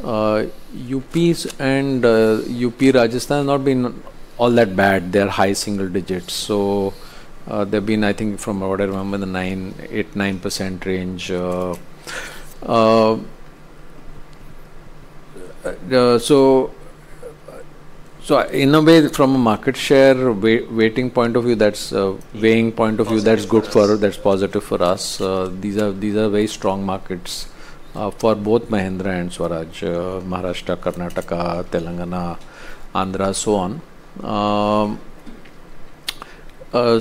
UP and Rajasthan have not been all that bad. They are high single digits. They have been, I think, from what I remember, in the 8%-9% range. In a way, from a market share weighting point of view, that is good for us. That is positive for us. These are very strong markets for both Mahindra and Swaraj—Maharashtra, Karnataka, Telangana, Andhra, and so on. Now,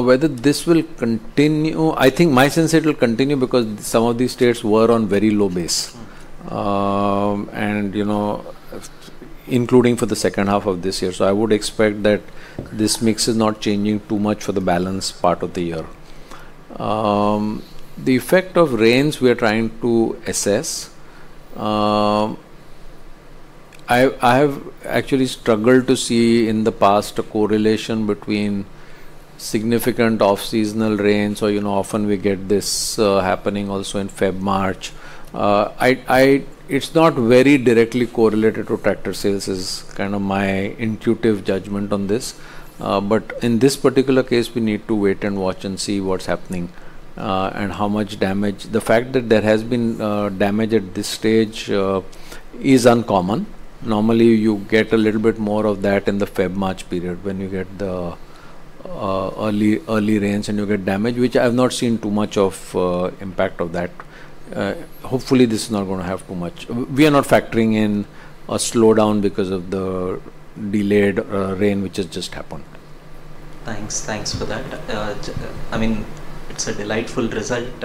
whether this will continue, I think my sense is it will continue because some of these states were on a very low base, including for the second half of this year. I would expect that this mix is not changing too much for the balance part of the year. The effect of rains we are trying to assess. I have actually struggled to see in the past a correlation between significant off-seasonal rains. Often we get this happening also in February, March. It is not very directly correlated to tractor sales is kind of my intuitive judgment on this. In this particular case, we need to wait and watch and see what is happening and how much damage. The fact that there has been damage at this stage is uncommon. Normally, you get a little bit more of that in the February, March period when you get the early rains and you get damage, which I have not seen too much of impact of that. Hopefully, this is not going to have too much. We are not factoring in a slowdown because of the delayed rain, which has just happened. Thanks. Thanks for that. I mean, it's a delightful result.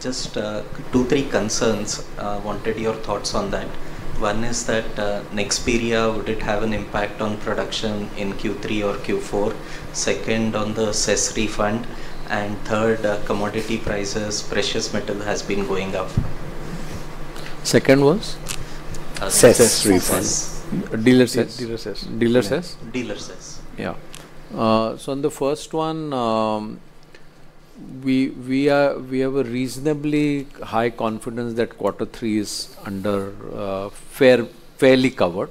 Just two, three concerns, wanted your thoughts on that. One is that Nexperia, would it have an impact on production in Q3 or Q4? Second, on the cess refund. And third, commodity prices, precious metal has been going up. Second was? cess refund. Dealer sess. Dealer sess. Dealer sess? Dealer sess. Yeah. So on the first one, we have a reasonably high confidence that quarter three is fairly covered.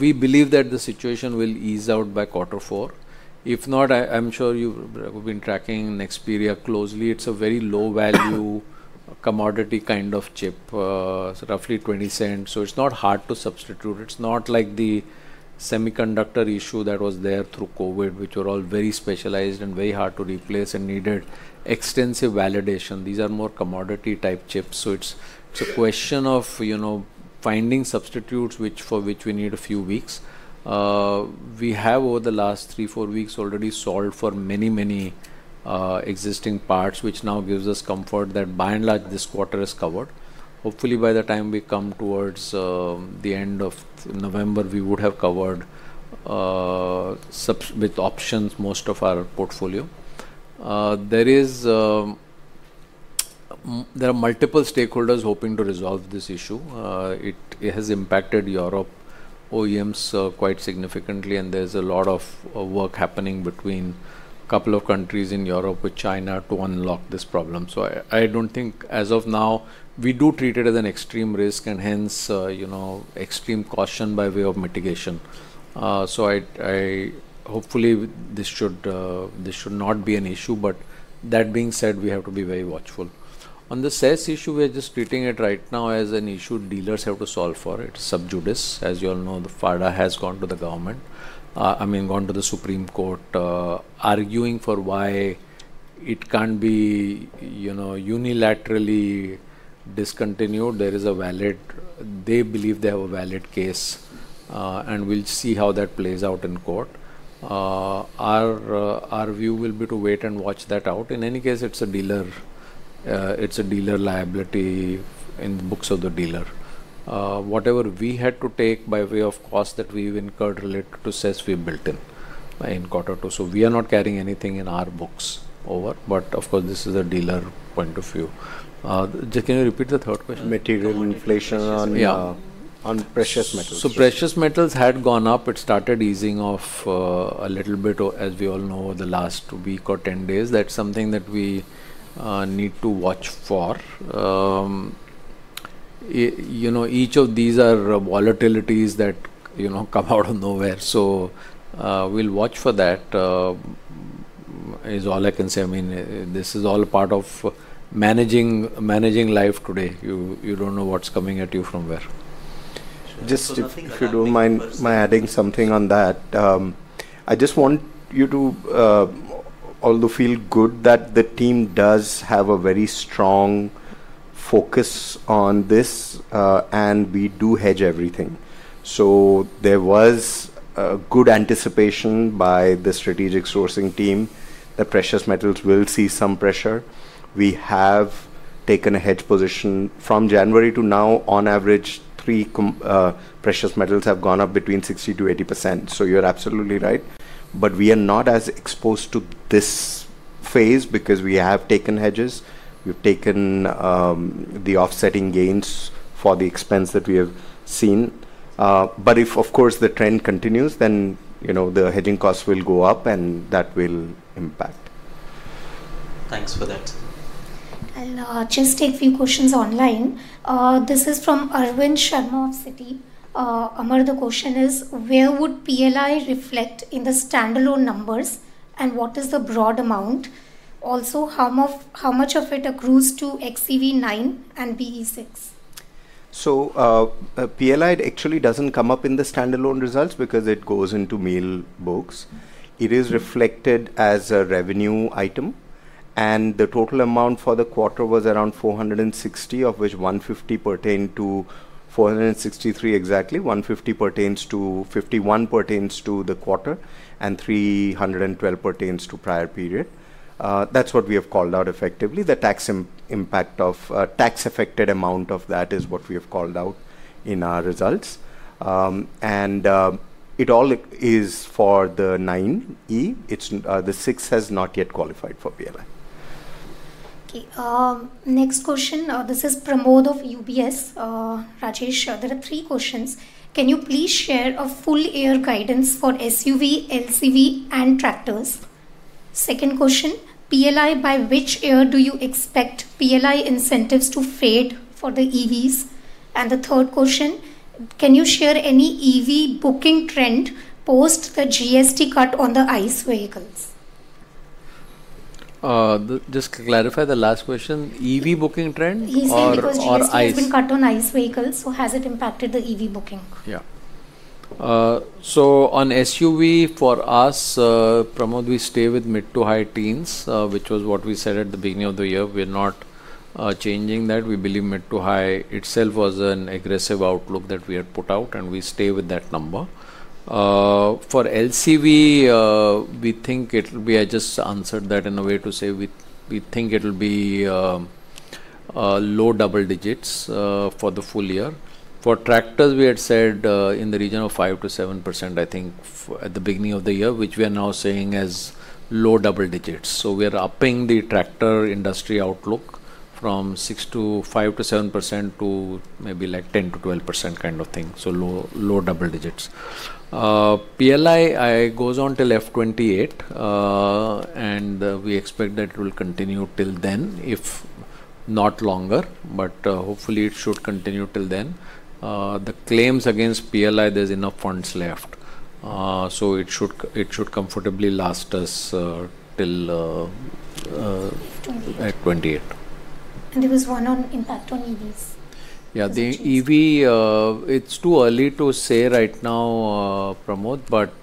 We believe that the situation will ease out by quarter four. If not, I'm sure you've been tracking Nexperia closely. It's a very low-value commodity kind of chip, roughly 0.20. So it's not hard to substitute. It's not like the semiconductor issue that was there through COVID, which were all very specialized and very hard to replace and needed extensive validation. These are more commodity-type chips. It's a question of finding substitutes for which we need a few weeks. We have, over the last three, four weeks, already solved for many, many existing parts, which now gives us comfort that, by and large, this quarter is covered. Hopefully, by the time we come towards the end of November, we would have covered with options most of our portfolio. There are multiple stakeholders hoping to resolve this issue. It has impacted Europe, OEMs quite significantly, and there's a lot of work happening between a couple of countries in Europe with China to unlock this problem. I don't think, as of now, we do treat it as an extreme risk and hence, extreme caution by way of mitigation. Hopefully, this should not be an issue. That being said, we have to be very watchful. On the sales issue, we're just treating it right now as an issue dealers have to solve for. It's sub judice. As you all know, the FADA has gone to the government. I mean, gone to the Supreme Court, arguing for why it can't be unilaterally discontinued. There is a valid—they believe they have a valid case. We'll see how that plays out in court. Our view will be to wait and watch that out. In any case, it's a dealer liability in the books of the dealer. Whatever we had to take by way of cost that we've incurred related to sess, we've built in in quarter two. We are not carrying anything in our books over. Of course, this is a dealer point of view. Can you repeat the third question? Material inflation on precious metals. So precious metals had gone up. It started easing off a little bit, as we all know, over the last week or 10 days. That's something that we need to watch for. Each of these are volatilities that come out of nowhere. We'll watch for that, is all I can say. I mean, this is all part of managing life today. You do not know what is coming at you from where. Just if you do not mind my adding something on that. I just want you to, although, feel good that the team does have a very strong focus on this, and we do hedge everything. There was good anticipation by the strategic sourcing team that precious metals will see some pressure. We have taken a hedge position from January to now. On average, three precious metals have gone up between 60%-80%. You are absolutely right, but we are not as exposed to this phase because we have taken hedges. We have taken the offsetting gains for the expense that we have seen. If, of course, the trend continues, then the hedging costs will go up, and that will impact. Thanks for that. Just a few questions online. This is from Arvind Sharma of Citi. Amar, the question is, where would PLI reflect in the standalone numbers, and what is the broad amount? Also, how much of it accrues to XCV 9 and BE6? PLI actually does not come up in the standalone results because it goes into meal books. It is reflected as a revenue item. The total amount for the quarter was around 460 crore, of which 150 crore pertained to 463 crore exactly. 150 crore pertains to 51 crore pertains to the quarter, and 312 crore pertains to prior period. That is what we have called out effectively. The tax impact, or tax-affected amount of that, is what we have called out in our results. It all is for the 9E. The 6 has not yet qualified for PLI. Next question. This is Pramod of UBS. Rajesh, there are three questions. Can you please share a full-year guidance for SUV, LCV, and tractors? Second question, PLI, by which year do you expect PLI incentives to fade for the EVs? Third question, can you share any EV booking trend post the GST cut on the ICE vehicles? Just to clarify the last question, EV booking trend? Easy because GST has been cut on ICE vehicles. Has it impacted the EV booking? Yeah. On SUV, for us, Pramod, we stay with mid to high teens, which was what we said at the beginning of the year. We are not changing that. We believe mid to high itself was an aggressive outlook that we had put out, and we stay with that number. For LCV, we think it will be—I just answered that in a way to say we think it will be low double digits for the full year. For tractors, we had said in the region of 5%-7%, I think, at the beginning of the year, which we are now seeing as low double digits. We are upping the tractor industry outlook from 5%-7% to maybe like 10%-12% kind of thing, so low double digits. PLI goes on till fiscal 2028. We expect that it will continue till then, if not longer. Hopefully, it should continue till then. The claims against PLI, there are enough funds left, so it should comfortably last us till F 2028. There was one on impact on EVs. Yeah. It's too early to say right now, Pramod.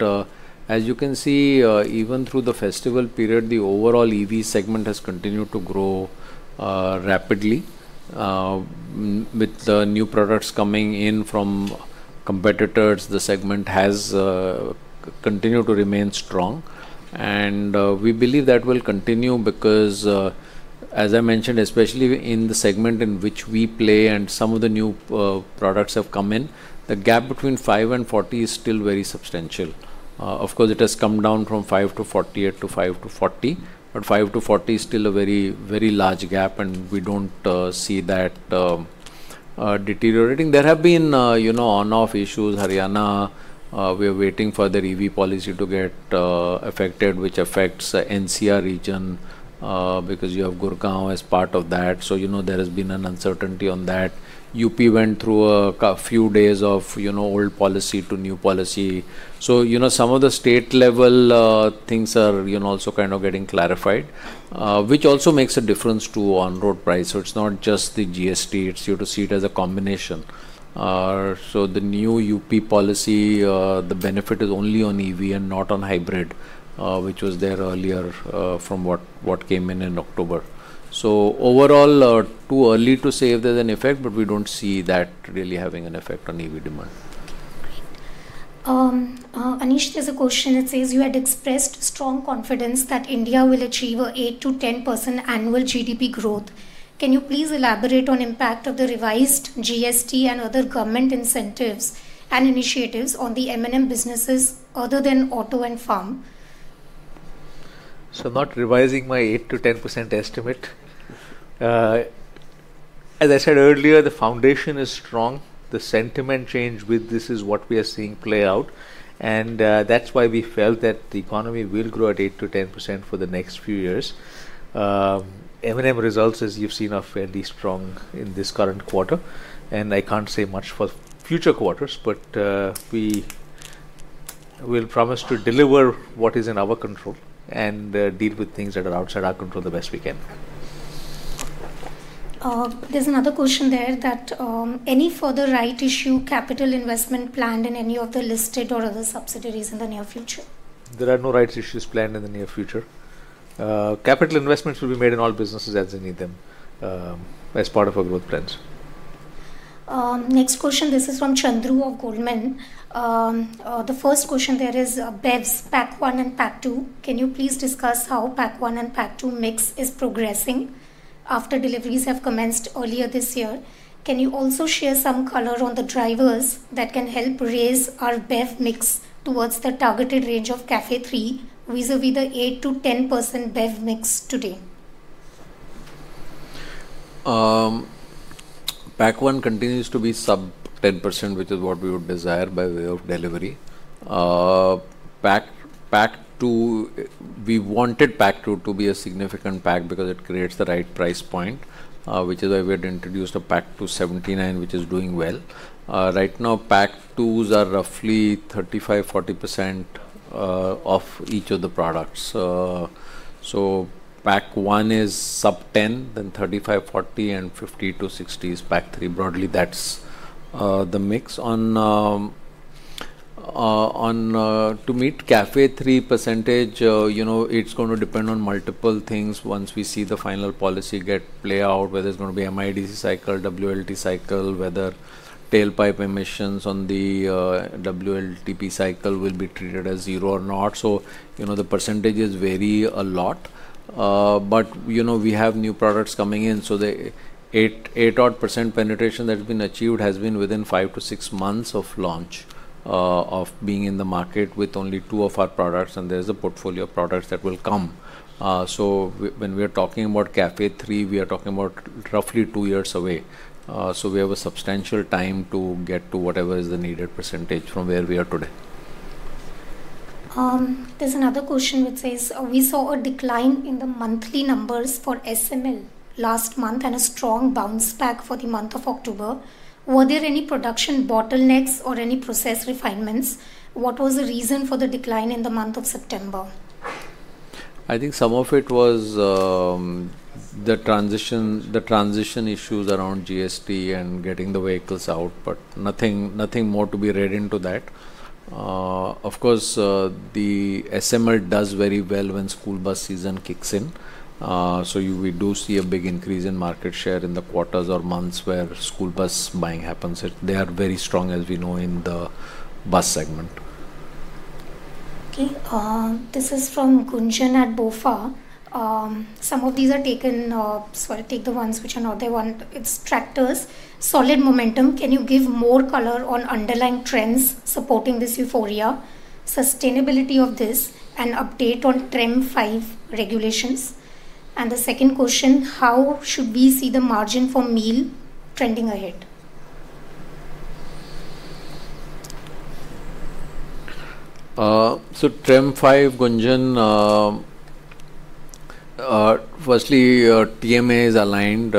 As you can see, even through the festival period, the overall EV segment has continued to grow rapidly. With the new products coming in from competitors, the segment has continued to remain strong. We believe that will continue because, as I mentioned, especially in the segment in which we play and some of the new products have come in, the gap between 5% and 40% is still very substantial. Of course, it has come down from 5%-48% to 5%-40%, but 5%-40% is still a very large gap, and we don't see that deteriorating. There have been on-off issues. Haryana, we are waiting for their EV policy to get effected, which affects the NCR region because you have Gurgaon as part of that. There has been an uncertainty on that. UP went through a few days of old policy to new policy. Some of the state-level things are also kind of getting clarified, which also makes a difference to on-road price. It's not just the GST. It's here to see it as a combination. The new UP policy, the benefit is only on EV and not on hybrid, which was there earlier from what came in in October. Overall, too early to say if there's an effect, but we don't see that really having an effect on EV demand. Anish, there's a question that says you had expressed strong confidence that India will achieve an 8%-10% annual GDP growth. Can you please elaborate on the impact of the revised GST and other government incentives and initiatives on the M&M businesses other than auto and farm? Not revising my 8%-10% estimate. As I said earlier, the foundation is strong. The sentiment change with this is what we are seeing play out. That's why we felt that the economy will grow at 8%-10% for the next few years. M&M results, as you've seen, are fairly strong in this current quarter. I can't say much for future quarters, but we will promise to deliver what is in our control and deal with things that are outside our control the best we can. There's another question there that any further rights issue capital investment planned in any of the listed or other subsidiaries in the near future? There are no rights issues planned in the near future. Capital investments will be made in all businesses as they need them as part of our growth plans. Next question, this is from Chandru of Goldman. The first question there is BEVs, PAC1 and PAC2. Can you please discuss how PAC1 and PAC2 mix is progressing after deliveries have commenced earlier this year? Can you also share some color on the drivers that can help raise our BEV mix towards the targeted range of CAFE 3 vis-à-vis the 8%-10% BEV mix today? PAC1 continues to be sub 10%, which is what we would desire by way of delivery. PAC2, we wanted PAC2 to be a significant pack because it creates the right price point, which is why we had introduced a PAC279, which is doing well. Right now, PAC2s are roughly 35%-40% of each of the products. So PAC1 is sub 10, then 35%-40%, and 50%-60% is PAC3. Broadly, that's the mix. To meet CAFE 3 percentage, it's going to depend on multiple things. Once we see the final policy get play out, whether it's going to be MIDC cycle, WLT cycle, whether tailpipe emissions on the WLTP cycle will be treated as zero or not. The percentages vary a lot. We have new products coming in. 8% odd penetration that has been achieved has been within five to six months of launch, of being in the market with only two of our products. There's a portfolio of products that will come. When we are talking about CAFE 3, we are talking about roughly two years away. We have a substantial time to get to whatever is the needed percentage from where we are today. There's another question which says, "We saw a decline in the monthly numbers for SML last month and a strong bounce back for the month of October. Were there any production bottlenecks or any process refinements? What was the reason for the decline in the month of September?" I think some of it was the transition issues around GST and getting the vehicles out, but nothing more to be read into that. Of course, the SML does very well when school bus season kicks in. We do see a big increase in market share in the quarters or months where school bus buying happens. They are very strong, as we know, in the bus segment. This is from Gunjan at BofA. Some of these are taken. Take the ones which are not. It's tractors. Solid momentum. Can you give more color on underlying trends supporting this euphoria, sustainability of this, and update on TREM V regulations? And the second question, how should we see the margin for meal trending ahead? TREM V, Gunjan. Firstly, TMA is aligned,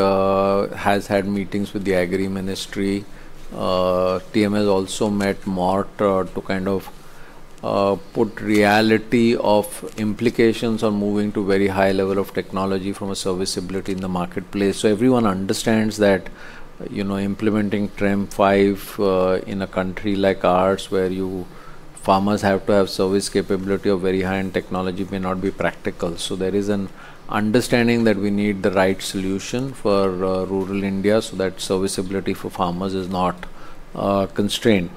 has had meetings with the Agri Ministry. TMA has also met MART to kind of put reality of implications on moving to a very high level of technology from a serviceability in the marketplace. Everyone understands that implementing TREM V in a country like ours, where farmers have to have service capability of very high-end technology, may not be practical. There is an understanding that we need the right solution for rural India so that serviceability for farmers is not constrained.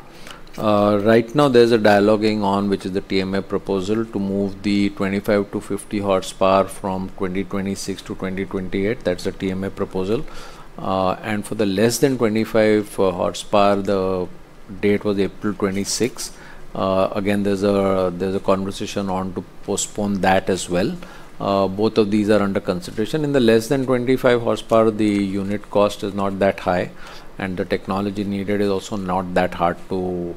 Right now, there is a dialogue going on, which is the TMA proposal to move the 25-50 horsepower from 2026 to 2028. That is the TMA proposal. For the less than 25 horsepower, the date was April 2026. Again, there is a conversation on to postpone that as well. Both of these are under consideration. In the less than 25 horsepower, the unit cost is not that high, and the technology needed is also not that hard to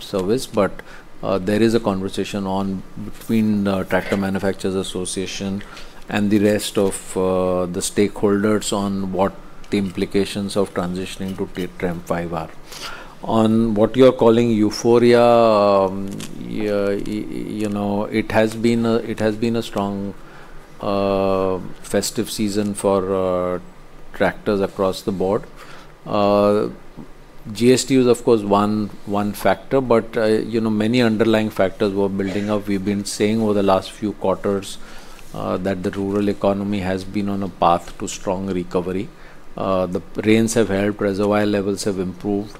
service. There is a conversation between the Tractor Manufacturers Association and the rest of the stakeholders on what the implications of transitioning to TREM V are. On what you are calling euphoria, it has been a strong festive season for tractors across the board. GST was, of course, one factor, but many underlying factors were building up. We have been saying over the last few quarters that the rural economy has been on a path to strong recovery. The rains have helped. Reservoir levels have improved.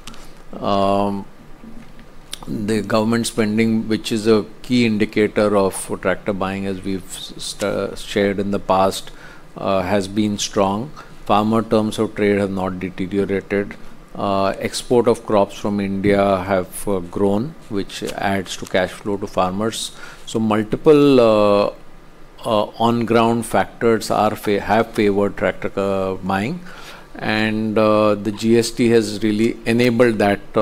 The government spending, which is a key indicator of tractor buying, as we have shared in the past, has been strong. Farmer terms of trade have not deteriorated. Export of crops from India have grown, which adds to cash flow to farmers. Multiple on-ground factors have favored tractor buying, and the GST has really enabled that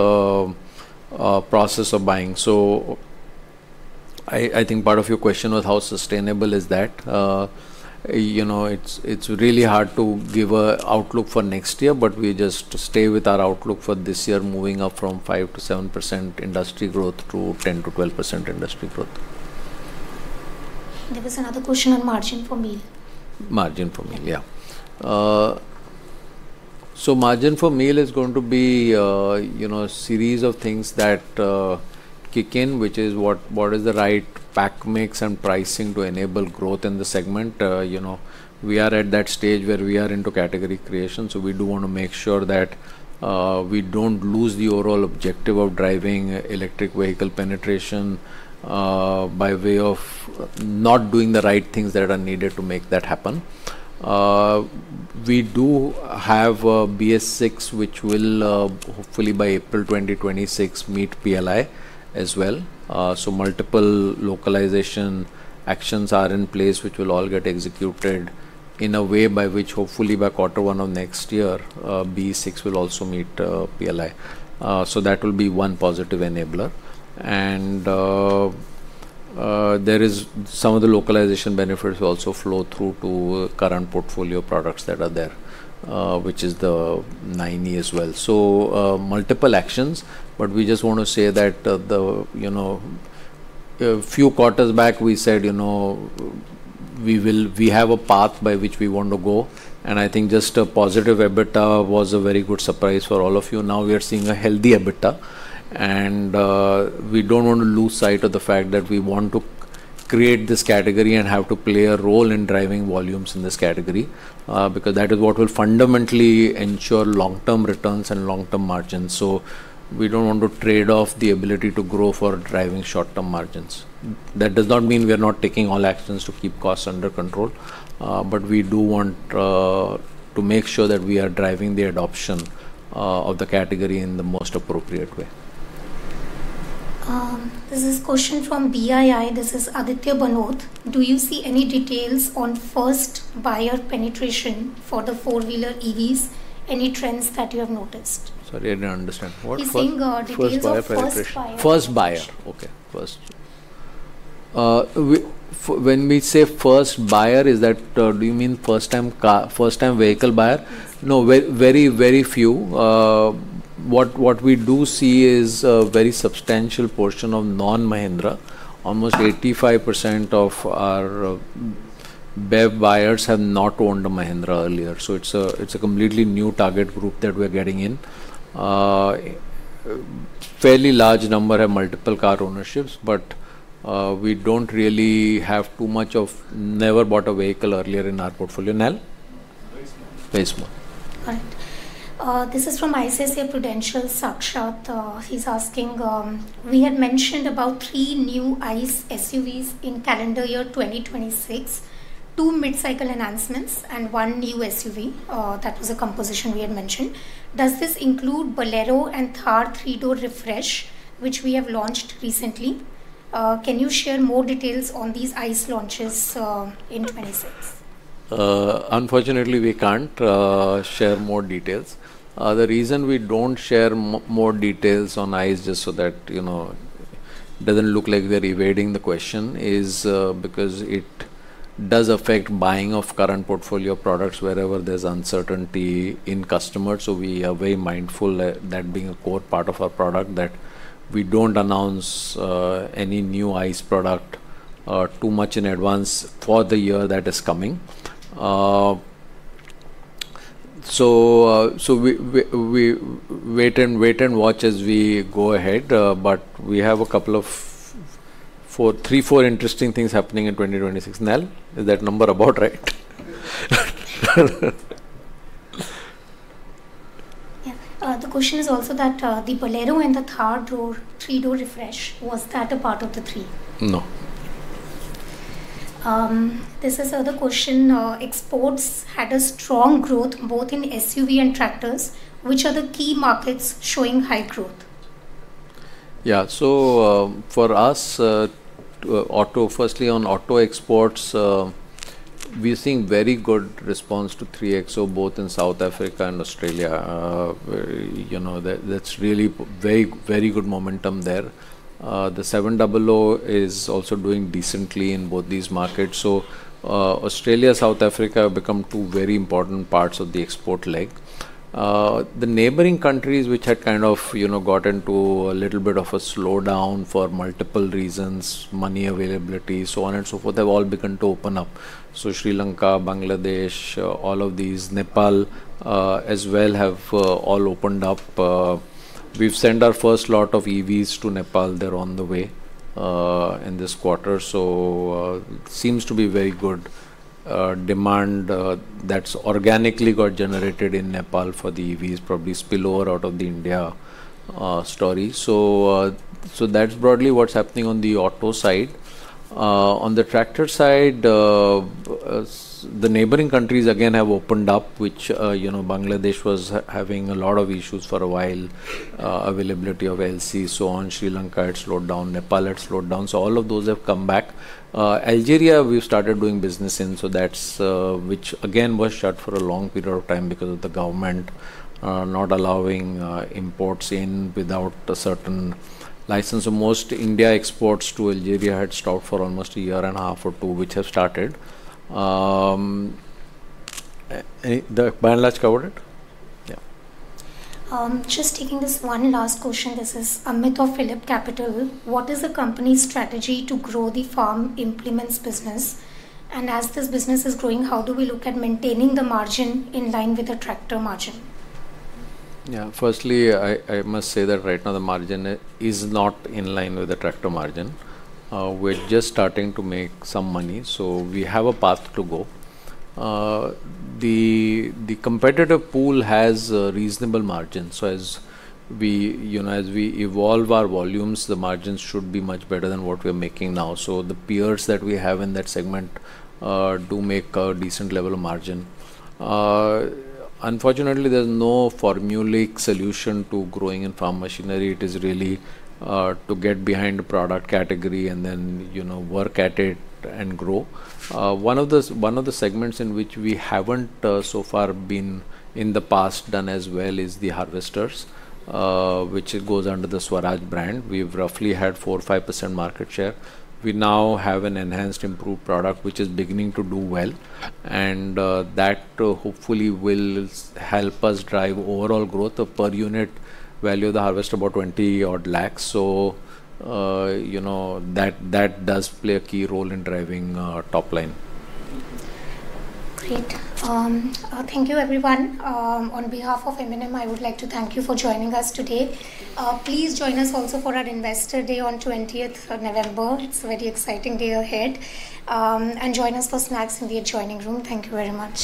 process of buying. I think part of your question was, how sustainable is that? It is really hard to give an outlook for next year, but we just stay with our outlook for this year, moving up from 5%-7% industry growth to 10%-12% industry growth. There was another question on margin for meal. Margin for meal, yeah. Margin for meal is going to be a series of things that kick in, which is what is the right pack mix and pricing to enable growth in the segment. We are at that stage where we are into category creation. We do want to make sure that we do not lose the overall objective of driving electric vehicle penetration by way of not doing the right things that are needed to make that happen. We do have BS6, which will hopefully, by April 2026, meet PLI as well. Multiple localization actions are in place, which will all get executed in a way by which, hopefully, by quarter one of next year, BS6 will also meet PLI. That will be one positive enabler. Some of the localization benefits also flow through to current portfolio products that are there, which is the 9E as well. Multiple actions, but we just want to say that a few quarters back, we said we have a path by which we want to go. I think just a positive EBITDA was a very good surprise for all of you. Now we are seeing a healthy EBITDA. We don't want to lose sight of the fact that we want to create this category and have to play a role in driving volumes in this category because that is what will fundamentally ensure long-term returns and long-term margins. We don't want to trade off the ability to grow for driving short-term margins. That does not mean we are not taking all actions to keep costs under control. We do want to make sure that we are driving the adoption of the category in the most appropriate way. This is a question from BII. This is Aditya Banod. Do you see any details on first buyer penetration for the four-wheeler EVs? Any trends that you have noticed? Sorry, I didn't understand. What's the first buyer? First buyer. Okay. First. When we say first buyer, is that do you mean first-time vehicle buyer? No, very, very few. What we do see is a very substantial portion of non-Mahindra. Almost 85% of our BEV buyers have not owned a Mahindra earlier. It's a completely new target group that we are getting in. Fairly large number have multiple car ownerships, but we don't really have too much of never bought a vehicle earlier in our portfolio. Very small. Very small. All right. This is from ICICI Prudential, Sakshat. He's asking, "We had mentioned about three new ICE SUVs in calendar year 2026, two mid-cycle enhancements, and one new SUV." That was a composition we had mentioned. "Does this include Bolero and Thar 3-Door Refresh, which we have launched recently? Can you share more details on these ICE launches in 2026?" Unfortunately, we can't share more details. The reason we don't share more details on ICE, just so that it doesn't look like we are evading the question, is because it does affect buying of current portfolio products wherever there's uncertainty in customers. We are very mindful that being a core part of our product, we don't announce any new ICE product too much in advance for the year that is coming. We wait and watch as we go ahead. We have a couple of, three, four interesting things happening in 2026. Is that number about right? Yeah. The question is also that the Bolero and the Thar 3-Door Refresh, was that a part of the three? No. This is another question. Exports had a strong growth both in SUV and tractors. Which are the key markets showing high growth? For us, firstly, on auto exports, we're seeing very good response to 3XO, both in South Africa and Australia. That's really very good momentum there. The 700 is also doing decently in both these markets. Australia and South Africa have become two very important parts of the export leg. The neighboring countries, which had kind of gotten to a little bit of a slowdown for multiple reasons, money availability, so on and so forth, have all begun to open up. Sri Lanka, Bangladesh, all of these, Nepal as well, have all opened up. We've sent our first lot of EVs to Nepal. They're on the way in this quarter. It seems to be very good demand that's organically got generated in Nepal for the EVs, probably spillover out of the India story. That's broadly what's happening on the auto side. On the tractor side, the neighboring countries, again, have opened up, which Bangladesh was having a lot of issues for a while, availability of LC, so on. Sri Lanka, it slowed down. Nepal, it slowed down. All of those have come back. Algeria, we've started doing business in, which again was shut for a long period of time because of the government not allowing imports in without a certain license. Most India exports to Algeria had stopped for almost a year and a half or two, which have started. I have covered it? Yeah. Just taking this one last question. This is Amit of Phillip Capital. What is the company's strategy to grow the farm implements business? And as this business is growing, how do we look at maintaining the margin in line with the tractor margin? Yeah. Firstly, I must say that right now the margin is not in line with the tractor margin. We're just starting to make some money. We have a path to go. The competitive pool has a reasonable margin. As we evolve our volumes, the margins should be much better than what we are making now. The peers that we have in that segment do make a decent level of margin. Unfortunately, there's no formulaic solution to growing in farm machinery. It is really to get behind a product category and then work at it and grow. One of the segments in which we haven't so far been in the past done as well is the harvesters, which goes under the Swaraj brand. We've roughly had 4%-5% market share. We now have an enhanced, improved product, which is beginning to do well, and that hopefully will help us drive overall growth of per unit value of the harvester, about 20 lakhs. That does play a key role in driving top line. Great. Thank you, everyone. On behalf of M&M, I would like to thank you for joining us today. Please join us also for our Investor Day on 20th of November. It's a very exciting day ahead. Join us for snacks in the adjoining room. Thank you very much.